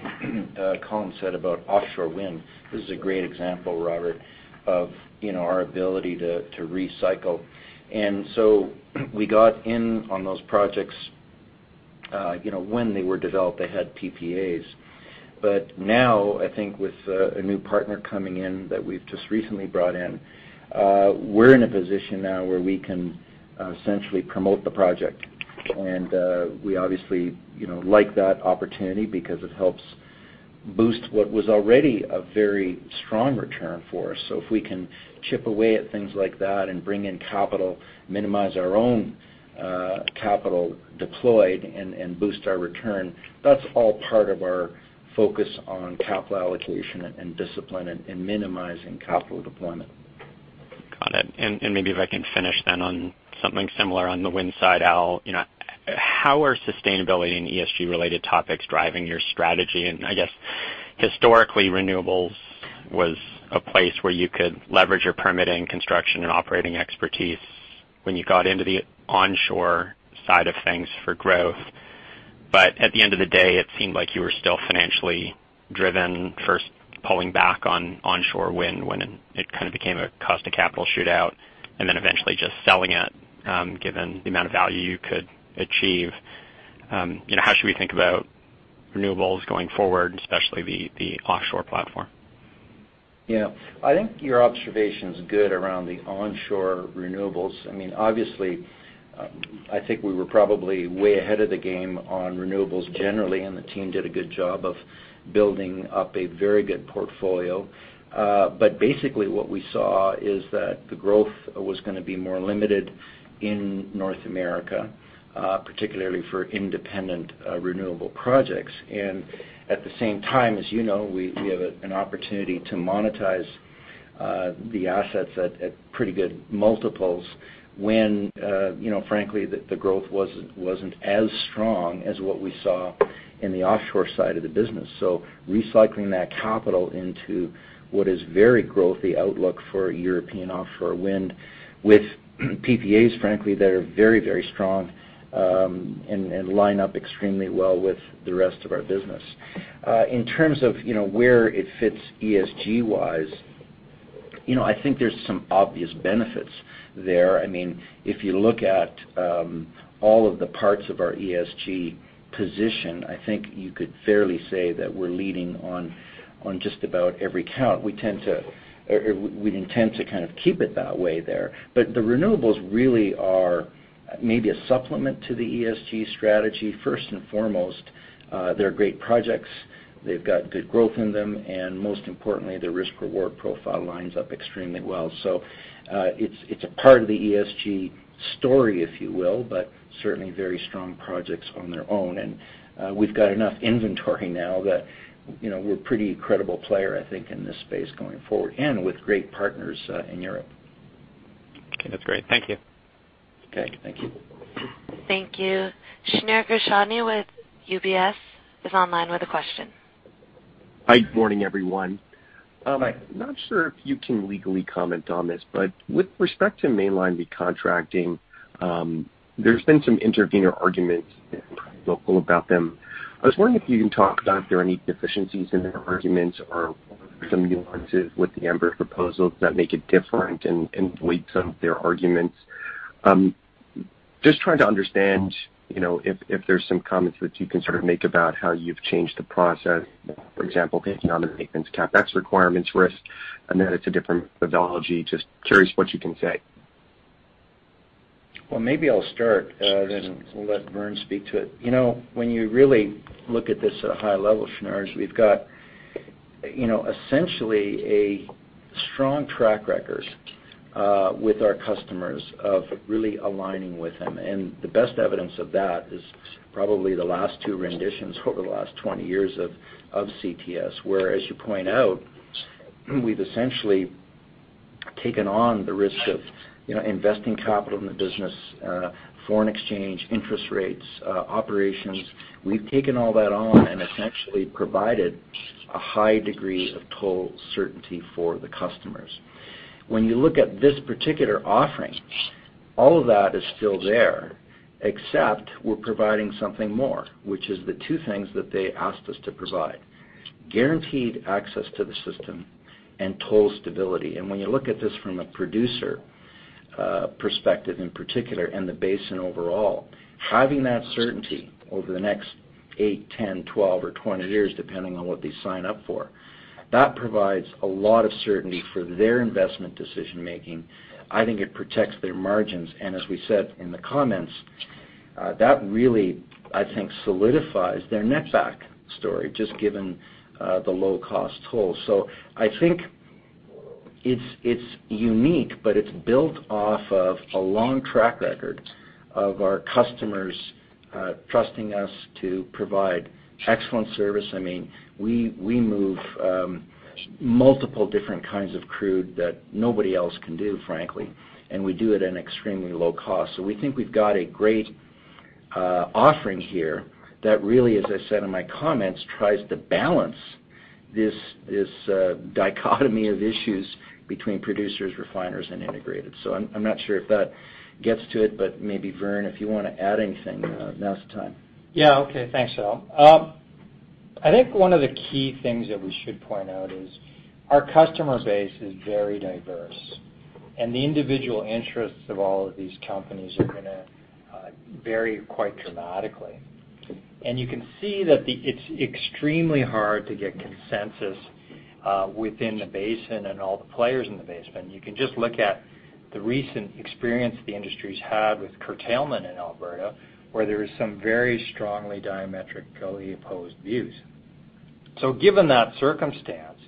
Colin said about offshore wind. This is a great example, Robert, of our ability to recycle. We got in on those projects. When they were developed, they had PPAs. Now, I think with a new partner coming in that we've just recently brought in, we're in a position now where we can essentially promote the project. We obviously like that opportunity because it helps boost what was already a very strong return for us. If we can chip away at things like that and bring in capital, minimize our own capital deployed, and boost our return, that's all part of our focus on capital allocation and discipline and minimizing capital deployment. Got it. Maybe if I can finish then on something similar on the wind side, Al, how are sustainability and ESG-related topics driving your strategy? I guess historically, renewables was a place where you could leverage your permitting, construction, and operating expertise when you got into the onshore side of things for growth. At the end of the day, it seemed like you were still financially driven, first pulling back on onshore wind when it kind of became a cost of capital shootout, and then eventually just selling it, given the amount of value you could achieve. How should we think about renewables going forward, especially the offshore platform? Yeah. I think your observation's good around the onshore renewables. I think we were probably way ahead of the game on renewables generally, and the team did a good job of building up a very good portfolio. Basically what we saw is that the growth was going to be more limited in North America, particularly for independent renewable projects. At the same time, as you know, we have an opportunity to monetize the assets at pretty good multiples when frankly, the growth wasn't as strong as what we saw in the offshore side of the business. Recycling that capital into what is very growthy outlook for European offshore wind with PPAs, frankly, that are very strong, and line up extremely well with the rest of our business. In terms of where it fits ESG-wise, I think there's some obvious benefits there. If you look at all of the parts of our ESG position, I think you could fairly say that we're leading on just about every count. We intend to keep it that way there. The renewables really are maybe a supplement to the ESG strategy. First and foremost, they're great projects. They've got good growth in them, and most importantly, their risk-reward profile lines up extremely well. It's a part of the ESG story, if you will, but certainly very strong projects on their own. We've got enough inventory now that we're a pretty credible player, I think, in this space going forward, and with great partners in Europe. Okay. That's great. Thank you. Okay. Thank you. Thank you. Shneur Gershuni with UBS is online with a question. Hi. Good morning, everyone. Hi. Not sure if you can legally comment on this, but with respect to Mainline recontracting, there's been some intervener arguments, and I'm probably vocal about them. I was wondering if you can talk about if there are any deficiencies in their arguments or some nuances with the Enbridge proposals that make it different and weight some of their arguments. Just trying to understand if there's some comments that you can make about how you've changed the process. For example, taking on the maintenance CapEx requirements risk, and that it's a different methodology. Just curious what you can say. Well, maybe I'll start, then we'll let Vern speak to it. When you really look at this at a high level, Shneur, we've got essentially a strong track record with our customers of really aligning with them. The best evidence of that is probably the last two renditions over the last 20 years of CTS, where, as you point out, we've essentially taken on the risk of investing capital in the business, foreign exchange, interest rates, operations. We've taken all that on and essentially provided a high degree of toll certainty for the customers. When you look at this particular offering, all of that is still there, except we're providing something more, which is the two things that they asked us to provide. Guaranteed access to the system and toll stability. When you look at this from a producer perspective in particular, and the basin overall, having that certainty over the next eight, 10, 12 or 20 years, depending on what they sign up for, that provides a lot of certainty for their investment decision making. I think it protects their margins. And as we said in the comments, that really solidifies their net back story, just given the low-cost toll. I think it's unique, but it's built off of a long track record of our customers trusting us to provide excellent service. We move multiple different kinds of crude that nobody else can do, frankly, and we do it at an extremely low cost. We think we've got a great offering here that really, as I said in my comments, tries to balance this dichotomy of issues between producers, refiners, and integrated. I'm not sure if that gets to it, but maybe Vern, if you want to add anything, now's the time. Yeah. Okay. Thanks, Al. I think one of the key things that we should point out is our customer base is very diverse, and the individual interests of all of these companies are going to vary quite dramatically. You can see that it's extremely hard to get consensus within the basin and all the players in the basin. You can just look at the recent experience the industry's had with curtailment in Alberta, where there is some very strongly diametrically opposed views. Given that circumstance,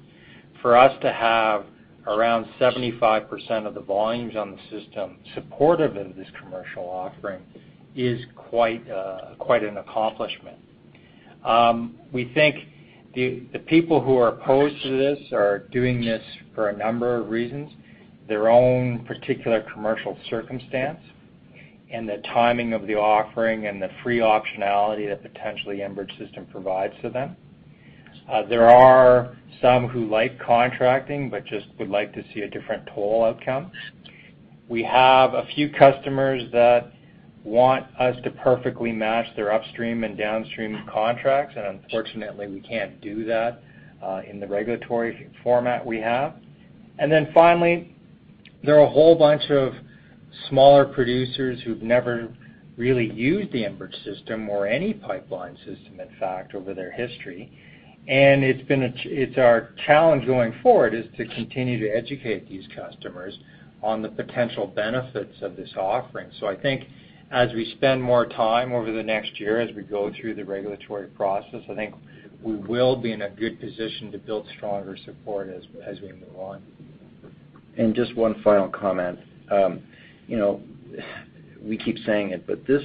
for us to have around 75% of the volumes on the system supportive of this commercial offering is quite an accomplishment. We think the people who are opposed to this are doing this for a number of reasons, their own particular commercial circumstance, and the timing of the offering, and the free optionality that potentially Enbridge system provides to them. There are some who like contracting just would like to see a different toll outcome. We have a few customers that want us to perfectly match their upstream and downstream contracts, unfortunately, we can't do that in the regulatory format we have. Finally, there are a whole bunch of smaller producers who've never really used the Enbridge system or any pipeline system, in fact, over their history. It's our challenge going forward, is to continue to educate these customers on the potential benefits of this offering. I think as we spend more time over the next year, as we go through the regulatory process, I think we will be in a good position to build stronger support as we move on. Just one final comment. We keep saying it, but this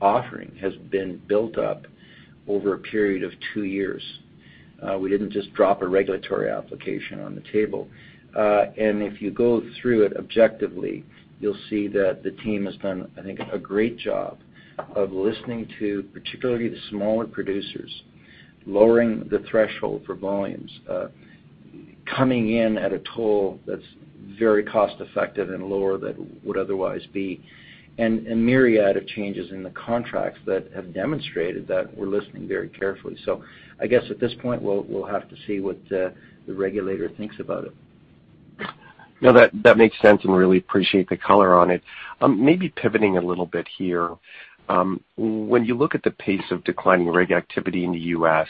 offering has been built up over a period of two years. We didn't just drop a regulatory application on the table. If you go through it objectively, you'll see that the team has done, I think, a great job of listening to particularly the smaller producers, lowering the threshold for volumes, coming in at a toll that's very cost effective and lower than it would otherwise be. A myriad of changes in the contracts that have demonstrated that we're listening very carefully. I guess at this point, we'll have to see what the regulator thinks about it. No, that makes sense. Really appreciate the color on it. Maybe pivoting a little bit here. When you look at the pace of declining rig activity in the U.S.,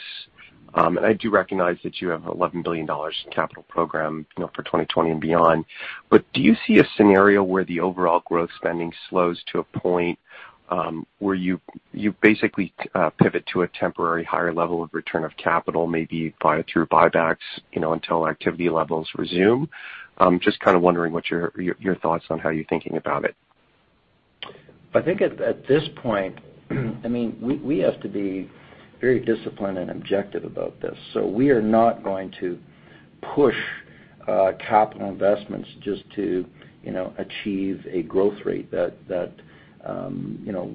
and I do recognize that you have 11 billion dollars in capital program for 2020 and beyond, but do you see a scenario where the overall growth spending slows to a point where you basically pivot to a temporary higher level of return of capital, maybe through buybacks, until activity levels resume? I am just wondering what your thoughts on how you're thinking about it. I think at this point, we have to be very disciplined and objective about this. We are not going to push capital investments just to achieve a growth rate that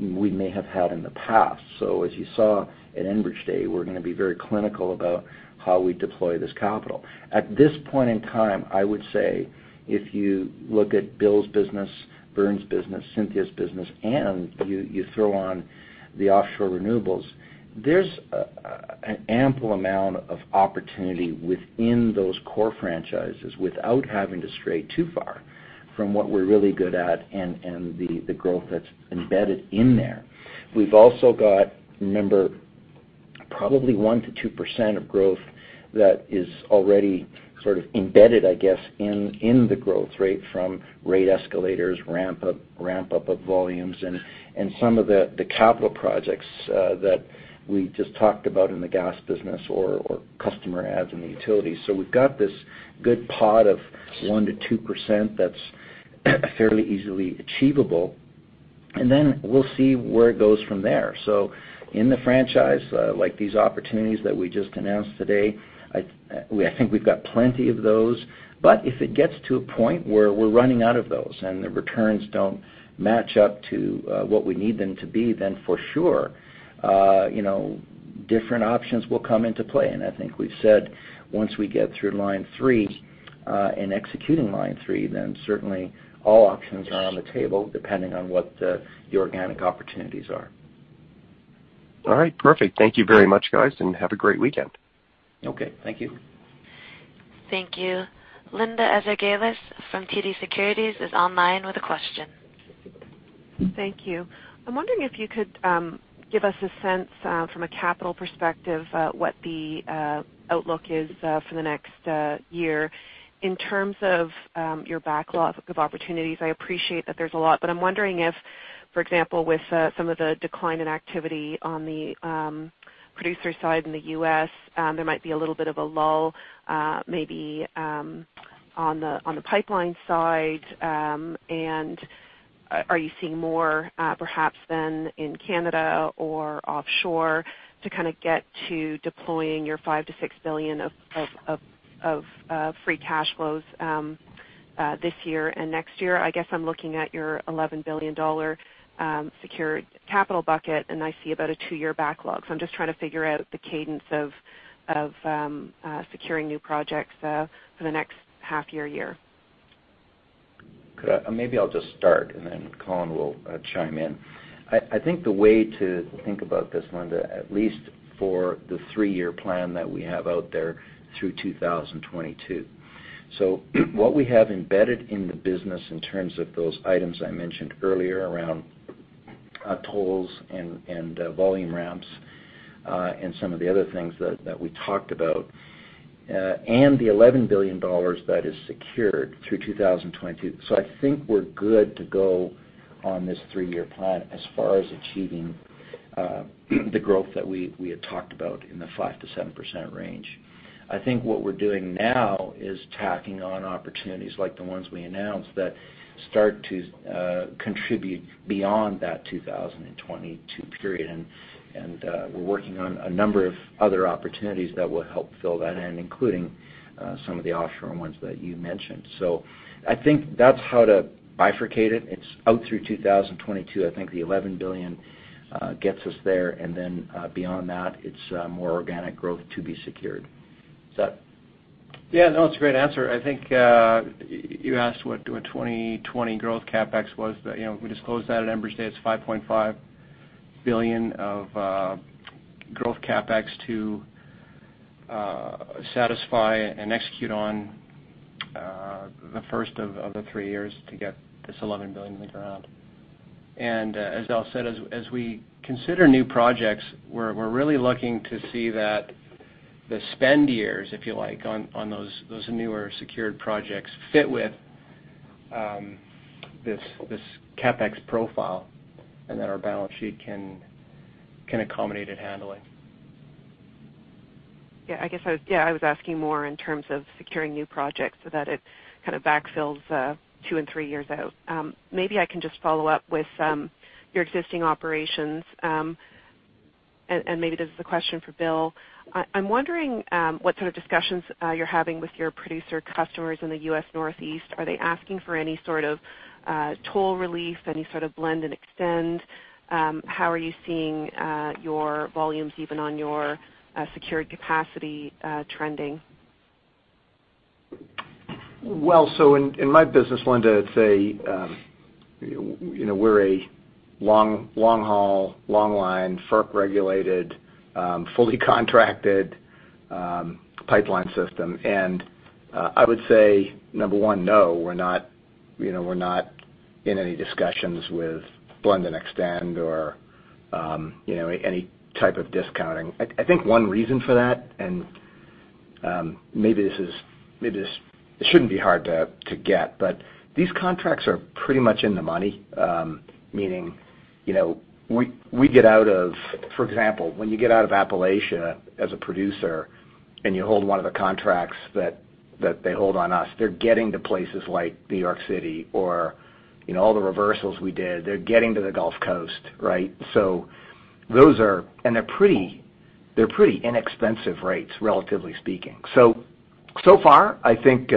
we may have had in the past. As you saw at Enbridge Day, we're going to be very clinical about how we deploy this capital. At this point in time, I would say if you look at Bill's business, Vern's business, Cynthia's business, and you throw on the offshore renewables, there's an ample amount of opportunity within those core franchises without having to stray too far from what we're really good at and the growth that's embedded in there. We've also got, remember, probably 1%-2% of growth that is already sort of embedded, I guess, in the growth rate from rate escalators, ramp-up of volumes, and some of the capital projects that we just talked about in the gas business or customer adds in the utility. We've got this good pot of 1%-2% that's fairly easily achievable. We'll see where it goes from there. In the franchise, like these opportunities that we just announced today, I think we've got plenty of those. If it gets to a point where we're running out of those and the returns don't match up to what we need them to be, then for sure different options will come into play. I think we've said once we get through Line 3 and executing Line 3, then certainly all options are on the table, depending on what the organic opportunities are. All right, perfect. Thank you very much, guys, and have a great weekend. Okay. Thank you. Thank you. Linda Ezergailis from TD Securities is online with a question. Thank you. I'm wondering if you could give us a sense from a capital perspective, what the outlook is for the next year in terms of your backlog of opportunities. I appreciate that there's a lot, but I'm wondering if, for example, with some of the decline in activity on the producer side in the U.S., there might be a little bit of a lull maybe on the pipeline side. Are you seeing more perhaps than in Canada or offshore to get to deploying your 5 billion-6 billion of free cash flows this year and next year? I guess I'm looking at your 11 billion dollar secured capital bucket, and I see about a two-year backlog. I'm just trying to figure out the cadence of securing new projects for the next half year. Maybe I'll just start, and then Colin will chime in. I think the way to think about this, Linda, at least for the three-year plan that we have out there through 2022. What we have embedded in the business in terms of those items I mentioned earlier around tolls and volume ramps, and some of the other things that we talked about, and the 11 billion dollars that is secured through 2022. I think we're good to go on this three-year plan as far as achieving the growth that we had talked about in the 5%-7% range. I think what we're doing now is tacking on opportunities like the ones we announced that start to contribute beyond that 2022 period. We're working on a number of other opportunities that will help fill that in, including some of the offshore ones that you mentioned. I think that's how to bifurcate it. It's out through 2022. I think the 11 billion gets us there, and then beyond that, it's more organic growth to be secured. [Seth]? Yeah, no, that's a great answer. I think you asked what our 2020 growth CapEx was. We just closed that at Enbridge Day. It's 5.5 billion of growth CapEx to satisfy and execute on the first of the three years to get this 11 billion in the ground. As Al said, as we consider new projects, we're really looking to see that the spend years, if you like, on those newer secured projects fit with this CapEx profile and that our balance sheet can accommodate it handling. Yeah, I guess I was asking more in terms of securing new projects so that it kind of backfills two and three years out. Maybe I can just follow up with your existing operations, and maybe this is a question for Bill. I'm wondering what sort of discussions you're having with your producer customers in the U.S. Northeast. Are they asking for any sort of toll relief, any sort of blend and extend? How are you seeing your volumes even on your secured capacity trending? Well, in my business, Linda, We're a long-haul, long-line, FERC-regulated, fully contracted pipeline system. I would say, number one, no, we're not in any discussions with blend-and-extend or any type of discounting. I think one reason for that, maybe this shouldn't be hard to get, these contracts are pretty much in the money. Meaning, for example, when you get out of Appalachia as a producer and you hold one of the contracts that they hold on us, they're getting to places like New York City or all the reversals we did, they're getting to the Gulf Coast, right? They're pretty inexpensive rates, relatively speaking. So far, I think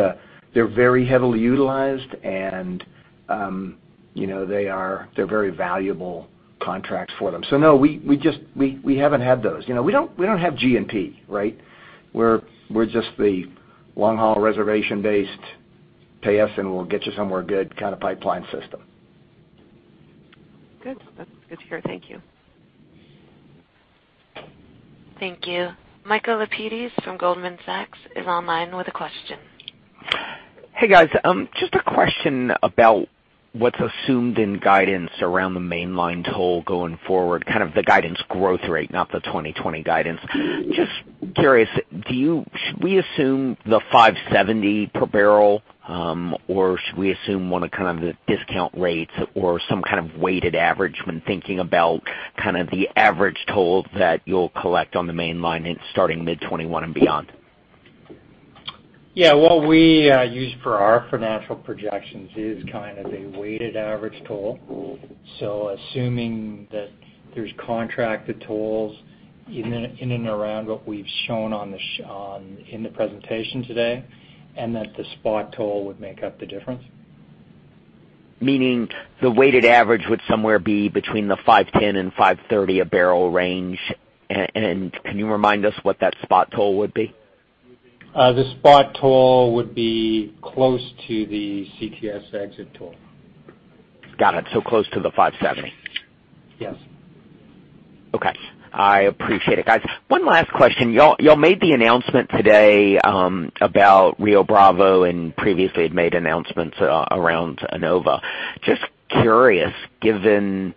they're very heavily utilized and they're very valuable contracts for them. No, we haven't had those. We don't have G&P, right? We're just the long-haul reservation-based, pay us and we'll get you somewhere good kind of pipeline system. Good. That's good to hear. Thank you. Thank you. Michael Lapides from Goldman Sachs is online with a question. Hey, guys. Just a question about what's assumed in guidance around the Mainline toll going forward, kind of the guidance growth rate, not the 2020 guidance. Just curious, should we assume the 5.70 per barrel, or should we assume one of the discount rates or some kind of weighted average when thinking about the average toll that you'll collect on the Mainline starting mid-2021 and beyond? What we use for our financial projections is kind of a weighted average toll. Assuming that there's contracted tolls in and around what we've shown in the presentation today, and that the spot toll would make up the difference. Meaning the weighted average would somewhere be between the 5.10-5.30 a barrel range. Can you remind us what that spot toll would be? The spot toll would be close to the CTS exit toll. Got it. Close to the 5.70. Yes Okay. I appreciate it, guys. One last question. You all made the announcement today about Rio Bravo and previously had made announcements around Annova. Just curious, given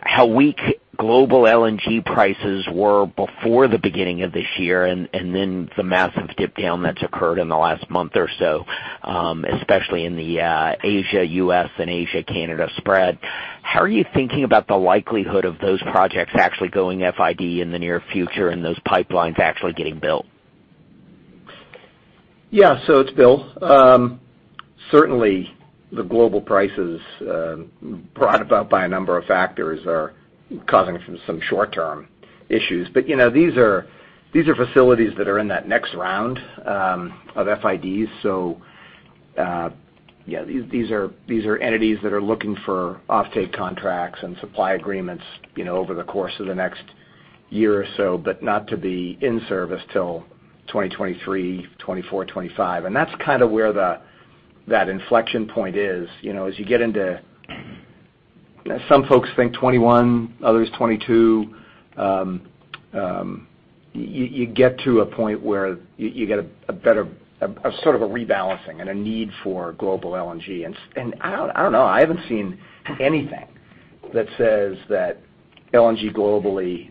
how weak global LNG prices were before the beginning of this year, and then the massive dip down that's occurred in the last month or so, especially in the Asia-U.S. and Asia-Canada spread, how are you thinking about the likelihood of those projects actually going FID in the near future and those pipelines actually getting built? Yeah. It's Bill. Certainly, the global prices, brought about by a number of factors, are causing some short-term issues. These are facilities that are in that next round of FIDs. Yeah, these are entities that are looking for offtake contracts and supply agreements over the course of the next year or so, but not to be in service till 2023, 2024, 2025. That's kind of where that inflection point is. As you get into, some folks think 2021, others 2022, you get to a point where you get a sort of a rebalancing and a need for global LNG. I don't know. I haven't seen anything that says that the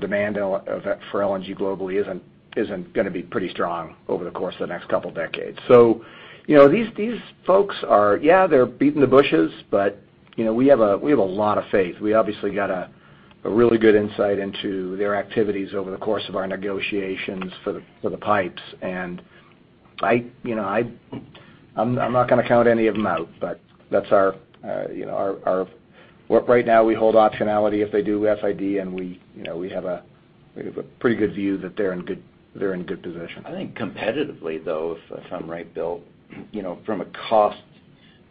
demand for LNG globally isn't going to be pretty strong over the course of the next couple of decades. These folks are, yeah, they're beating the bushes, we have a lot of faith. We obviously got a really good insight into their activities over the course of our negotiations for the pipes. I'm not going to count any of them out, but right now we hold optionality if they do FID, and we have a pretty good view that they're in good position. I think competitively, though, if I'm right, Bill, from a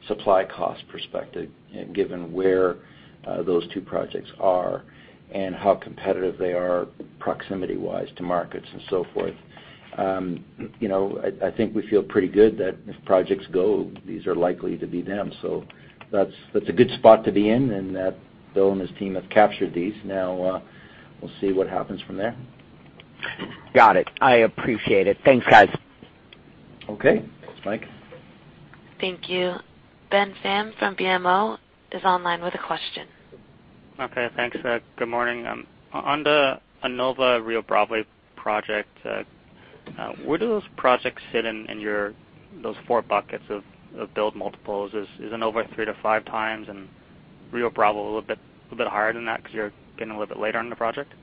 supply cost perspective, given where those two projects are and how competitive they are proximity-wise to markets and so forth, I think we feel pretty good that if projects go, these are likely to be them. That's a good spot to be in, and Bill and his team have captured these. Now we'll see what happens from there. Got it. I appreciate it. Thanks, guys. Okay. Thanks, Mike. Thank you. Ben Pham from BMO is online with a question. Okay, thanks. Good morning. On the Annova Rio Bravo project, where do those projects sit in those four buckets of build multiples? Is Annova 3x-5x and Rio Bravo a little bit higher than that because you're getting a little bit later on in the project?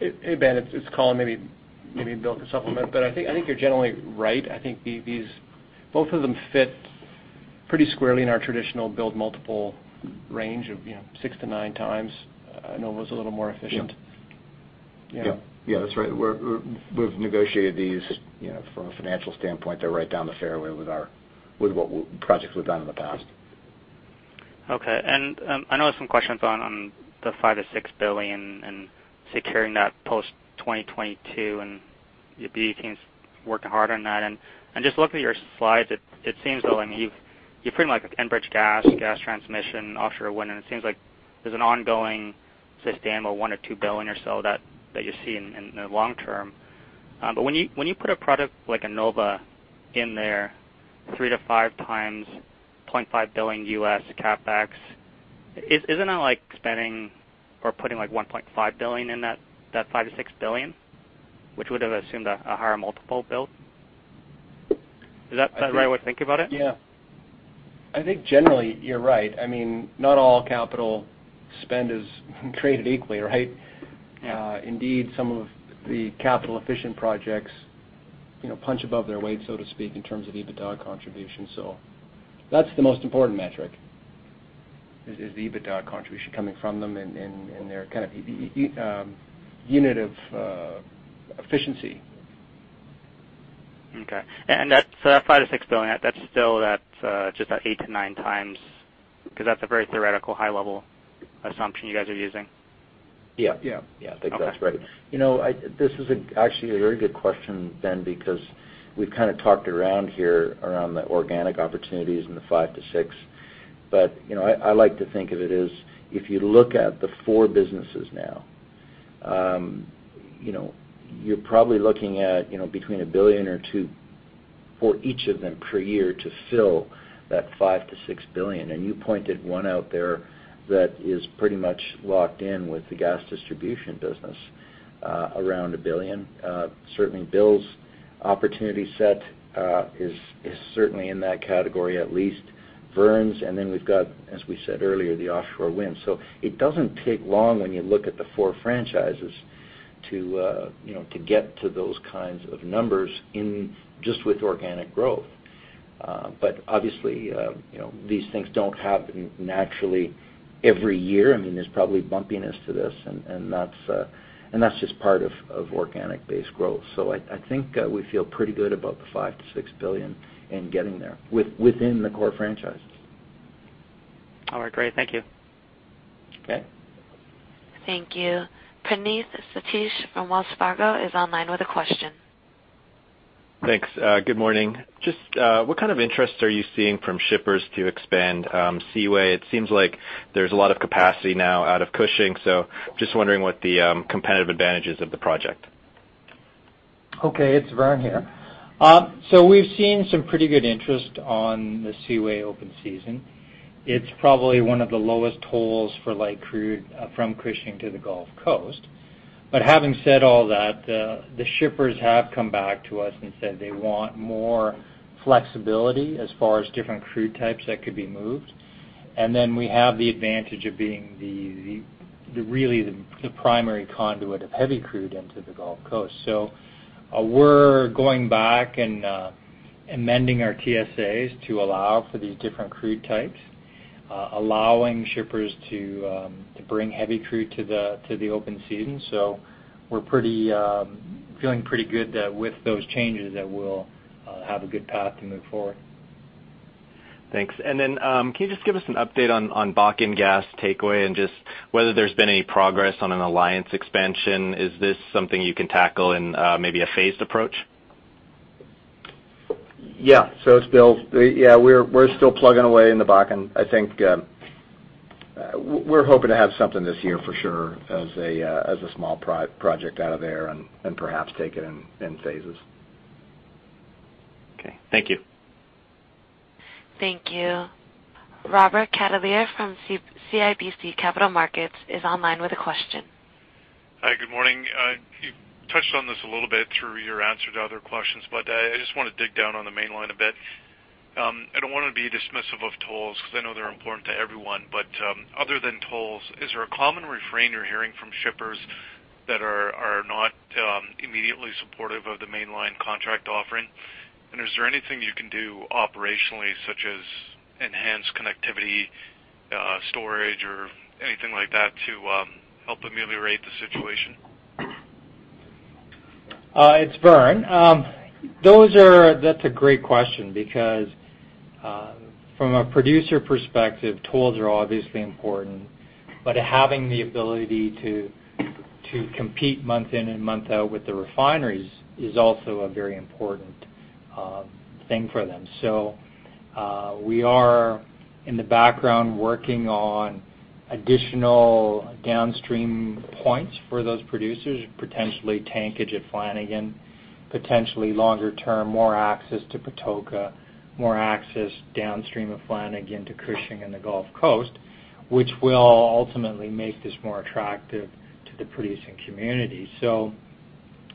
Hey, Ben, it's Colin. Maybe Bill can supplement, but I think you're generally right. I think both of them fit pretty squarely in our traditional build multiple range of 6x-9x. Annova's a little more efficient. Yeah. That's right. We've negotiated these from a financial standpoint, they're right down the fairway with what projects we've done in the past. Okay. I know there's some questions on the 5 billion-6 billion and securing that post-2022, and your BE team's working hard on that. Just looking at your slides, it seems though, you've put in Enbridge Gas, gas transmission, offshore wind, and it seems like there's an ongoing sustainable 1 billion or 2 billion or so that you see in the long term. When you put a product like Annova in there, 3x-5x $0.5 billion CapEx, isn't that like spending or putting like $1.5 billion in that 5 billion-6 billion? Which would have assumed a higher multiple build. Is that the right way to think about it? Yeah. I think generally you're right. Not all capital spend is created equally, right? Yeah. Indeed, some of the capital-efficient projects punch above their weight, so to speak, in terms of EBITDA contribution. That's the most important metric, is the EBITDA contribution coming from them and their unit of efficiency. Okay. That 5 billion-6 billion, that's still at just that 8x-9x, because that's a very theoretical high-level assumption you guys are using. Yeah. Yeah. I think that's right. This is actually a very good question, Ben, because we've talked around here around the organic opportunities and the 5 billion-6 billion. I like to think of it as, if you look at the four businesses now, you're probably looking at between 1 billion or 2 billion for each of them per year to fill that 5 billion-6 billion. You pointed one out there that is pretty much locked in with the gas distribution business, around 1 billion. Certainly, Bill's opportunity set is certainly in that category, at least Vern's, and then we've got, as we said earlier, the offshore wind. It doesn't take long when you look at the four franchises to get to those kinds of numbers just with organic growth. Obviously, these things don't happen naturally every year. There's probably bumpiness to this, and that's just part of organic-based growth. I think we feel pretty good about the 5 billion-6 billion in getting there within the core franchises. All right, great. Thank you. Okay. Thank you. Praneeth Satish from Wells Fargo is online with a question. Thanks. Good morning. Just what kind of interest are you seeing from shippers to expand Seaway? It seems like there's a lot of capacity now out of Cushing, just wondering what the competitive advantage is of the project. Okay, it's Vern here. We've seen some pretty good interest on the Seaway open season. It's probably one of the lowest tolls for light crude from Cushing to the Gulf Coast. Having said all that, the shippers have come back to us and said they want more flexibility as far as different crude types that could be moved. We have the advantage of being really the primary conduit of heavy crude into the Gulf Coast. We're going back and amending our TSAs to allow for these different crude types, allowing shippers to bring heavy crude to the open season. We're feeling pretty good that with those changes, that we'll have a good path to move forward. Thanks. Then, can you just give us an update on Bakken gas takeaway and just whether there's been any progress on an Alliance expansion? Is this something you can tackle in maybe a phased approach? Yeah. It's Bill. We're still plugging away in the Bakken. I think we're hoping to have something this year for sure as a small project out of there and perhaps take it in phases. Okay. Thank you. Thank you. Robert Catellier from CIBC Capital Markets is online with a question. Hi. Good morning. You touched on this a little bit through your answer to other questions, I just want to dig down on the Mainline a bit. I don't want to be dismissive of tolls because I know they're important to everyone. Other than tolls, is there a common refrain you're hearing from shippers that are not immediately supportive of the Mainline contract offering? Is there anything you can do operationally, such as enhanced connectivity, storage, or anything like that to help ameliorate the situation? It's Vern. That's a great question because from a producer perspective, tolls are obviously important, but having the ability to compete month in and month out with the refineries is also a very important thing for them. We are in the background working on additional downstream points for those producers, potentially tankage at Flanagan, potentially longer-term, more access to Patoka, more access downstream of Flanagan to Cushing and the Gulf Coast, which will ultimately make this more attractive to the producing community.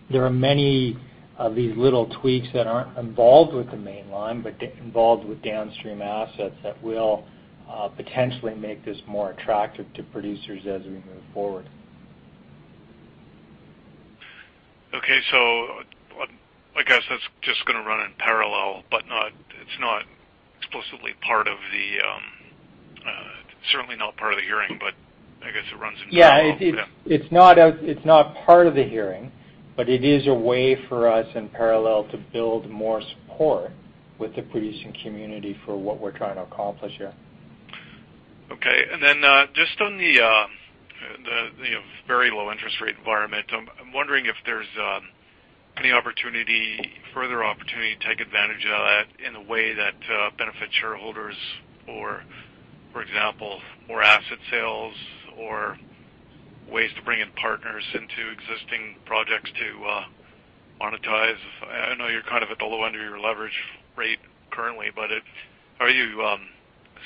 There are many of these little tweaks that aren't involved with the Mainline, but involved with downstream assets that will potentially make this more attractive to producers as we move forward. Okay. I guess that's just going to run in parallel, but it's certainly not part of the hearing. Yeah. It's not part of the hearing, but it is a way for us in parallel to build more support with the producing community for what we're trying to accomplish here. Okay. Just on the very low interest rate environment, I'm wondering if there's any further opportunity to take advantage of that in a way that benefits shareholders or, for example, more asset sales or ways to bring in partners into existing projects to monetize. I know you're kind of at the low end of your leverage rate currently, but how are you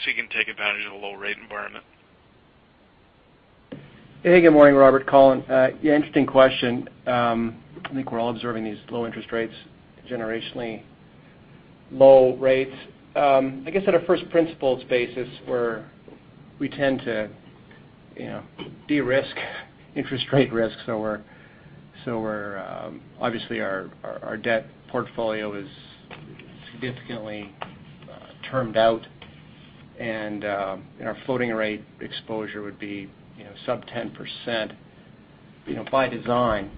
seeking to take advantage of the low rate environment? Hey, good morning, Robert. Colin. Interesting question. I think we're all observing these low interest rates, generationally low rates. I guess at a first principles basis, where we tend to de-risk interest rate risks. Obviously our debt portfolio is significantly termed out and our floating rate exposure would be sub 10% by design.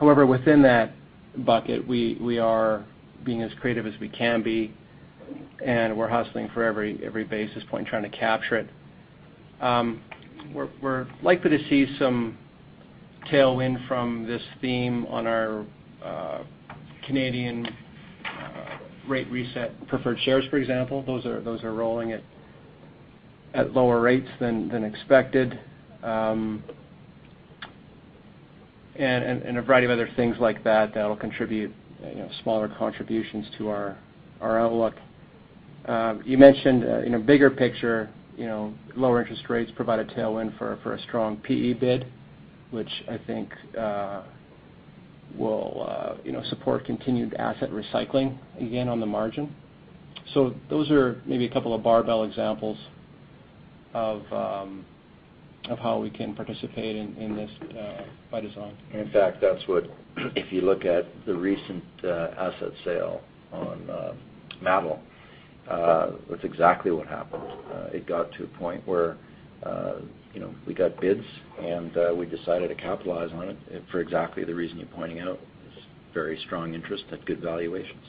However, within that bucket, we are being as creative as we can be, and we're hustling for every basis point trying to capture it. We're likely to see some tailwind from this theme on our Canadian rate reset preferred shares, for example. Those are rolling at lower rates than expected. A variety of other things like that that'll contribute smaller contributions to our outlook. You mentioned, in a bigger picture, lower interest rates provide a tailwind for a strong PE bid, which I think will support continued asset recycling again on the margin. Those are maybe a couple of barbell examples of how we can participate in this by design. In fact, that's what, if you look at the recent asset sale on MATL, that's exactly what happened. It got to a point where we got bids, and we decided to capitalize on it for exactly the reason you're pointing out. It's very strong interest at good valuations.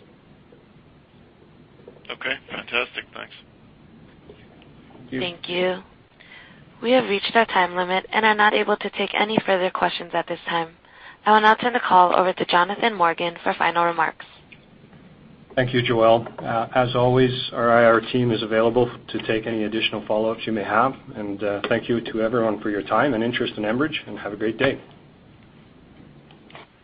Okay, fantastic. Thanks. Thank you. Thank you. We have reached our time limit and are not able to take any further questions at this time. I will now turn the call over to Jonathan Morgan for final remarks. Thank you, Joelle. As always, our IR team is available to take any additional follow-ups you may have. Thank you to everyone for your time and interest in Enbridge, and have a great day.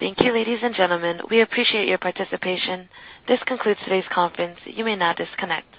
Thank you, ladies and gentlemen. We appreciate your participation. This concludes today's conference. You may now disconnect.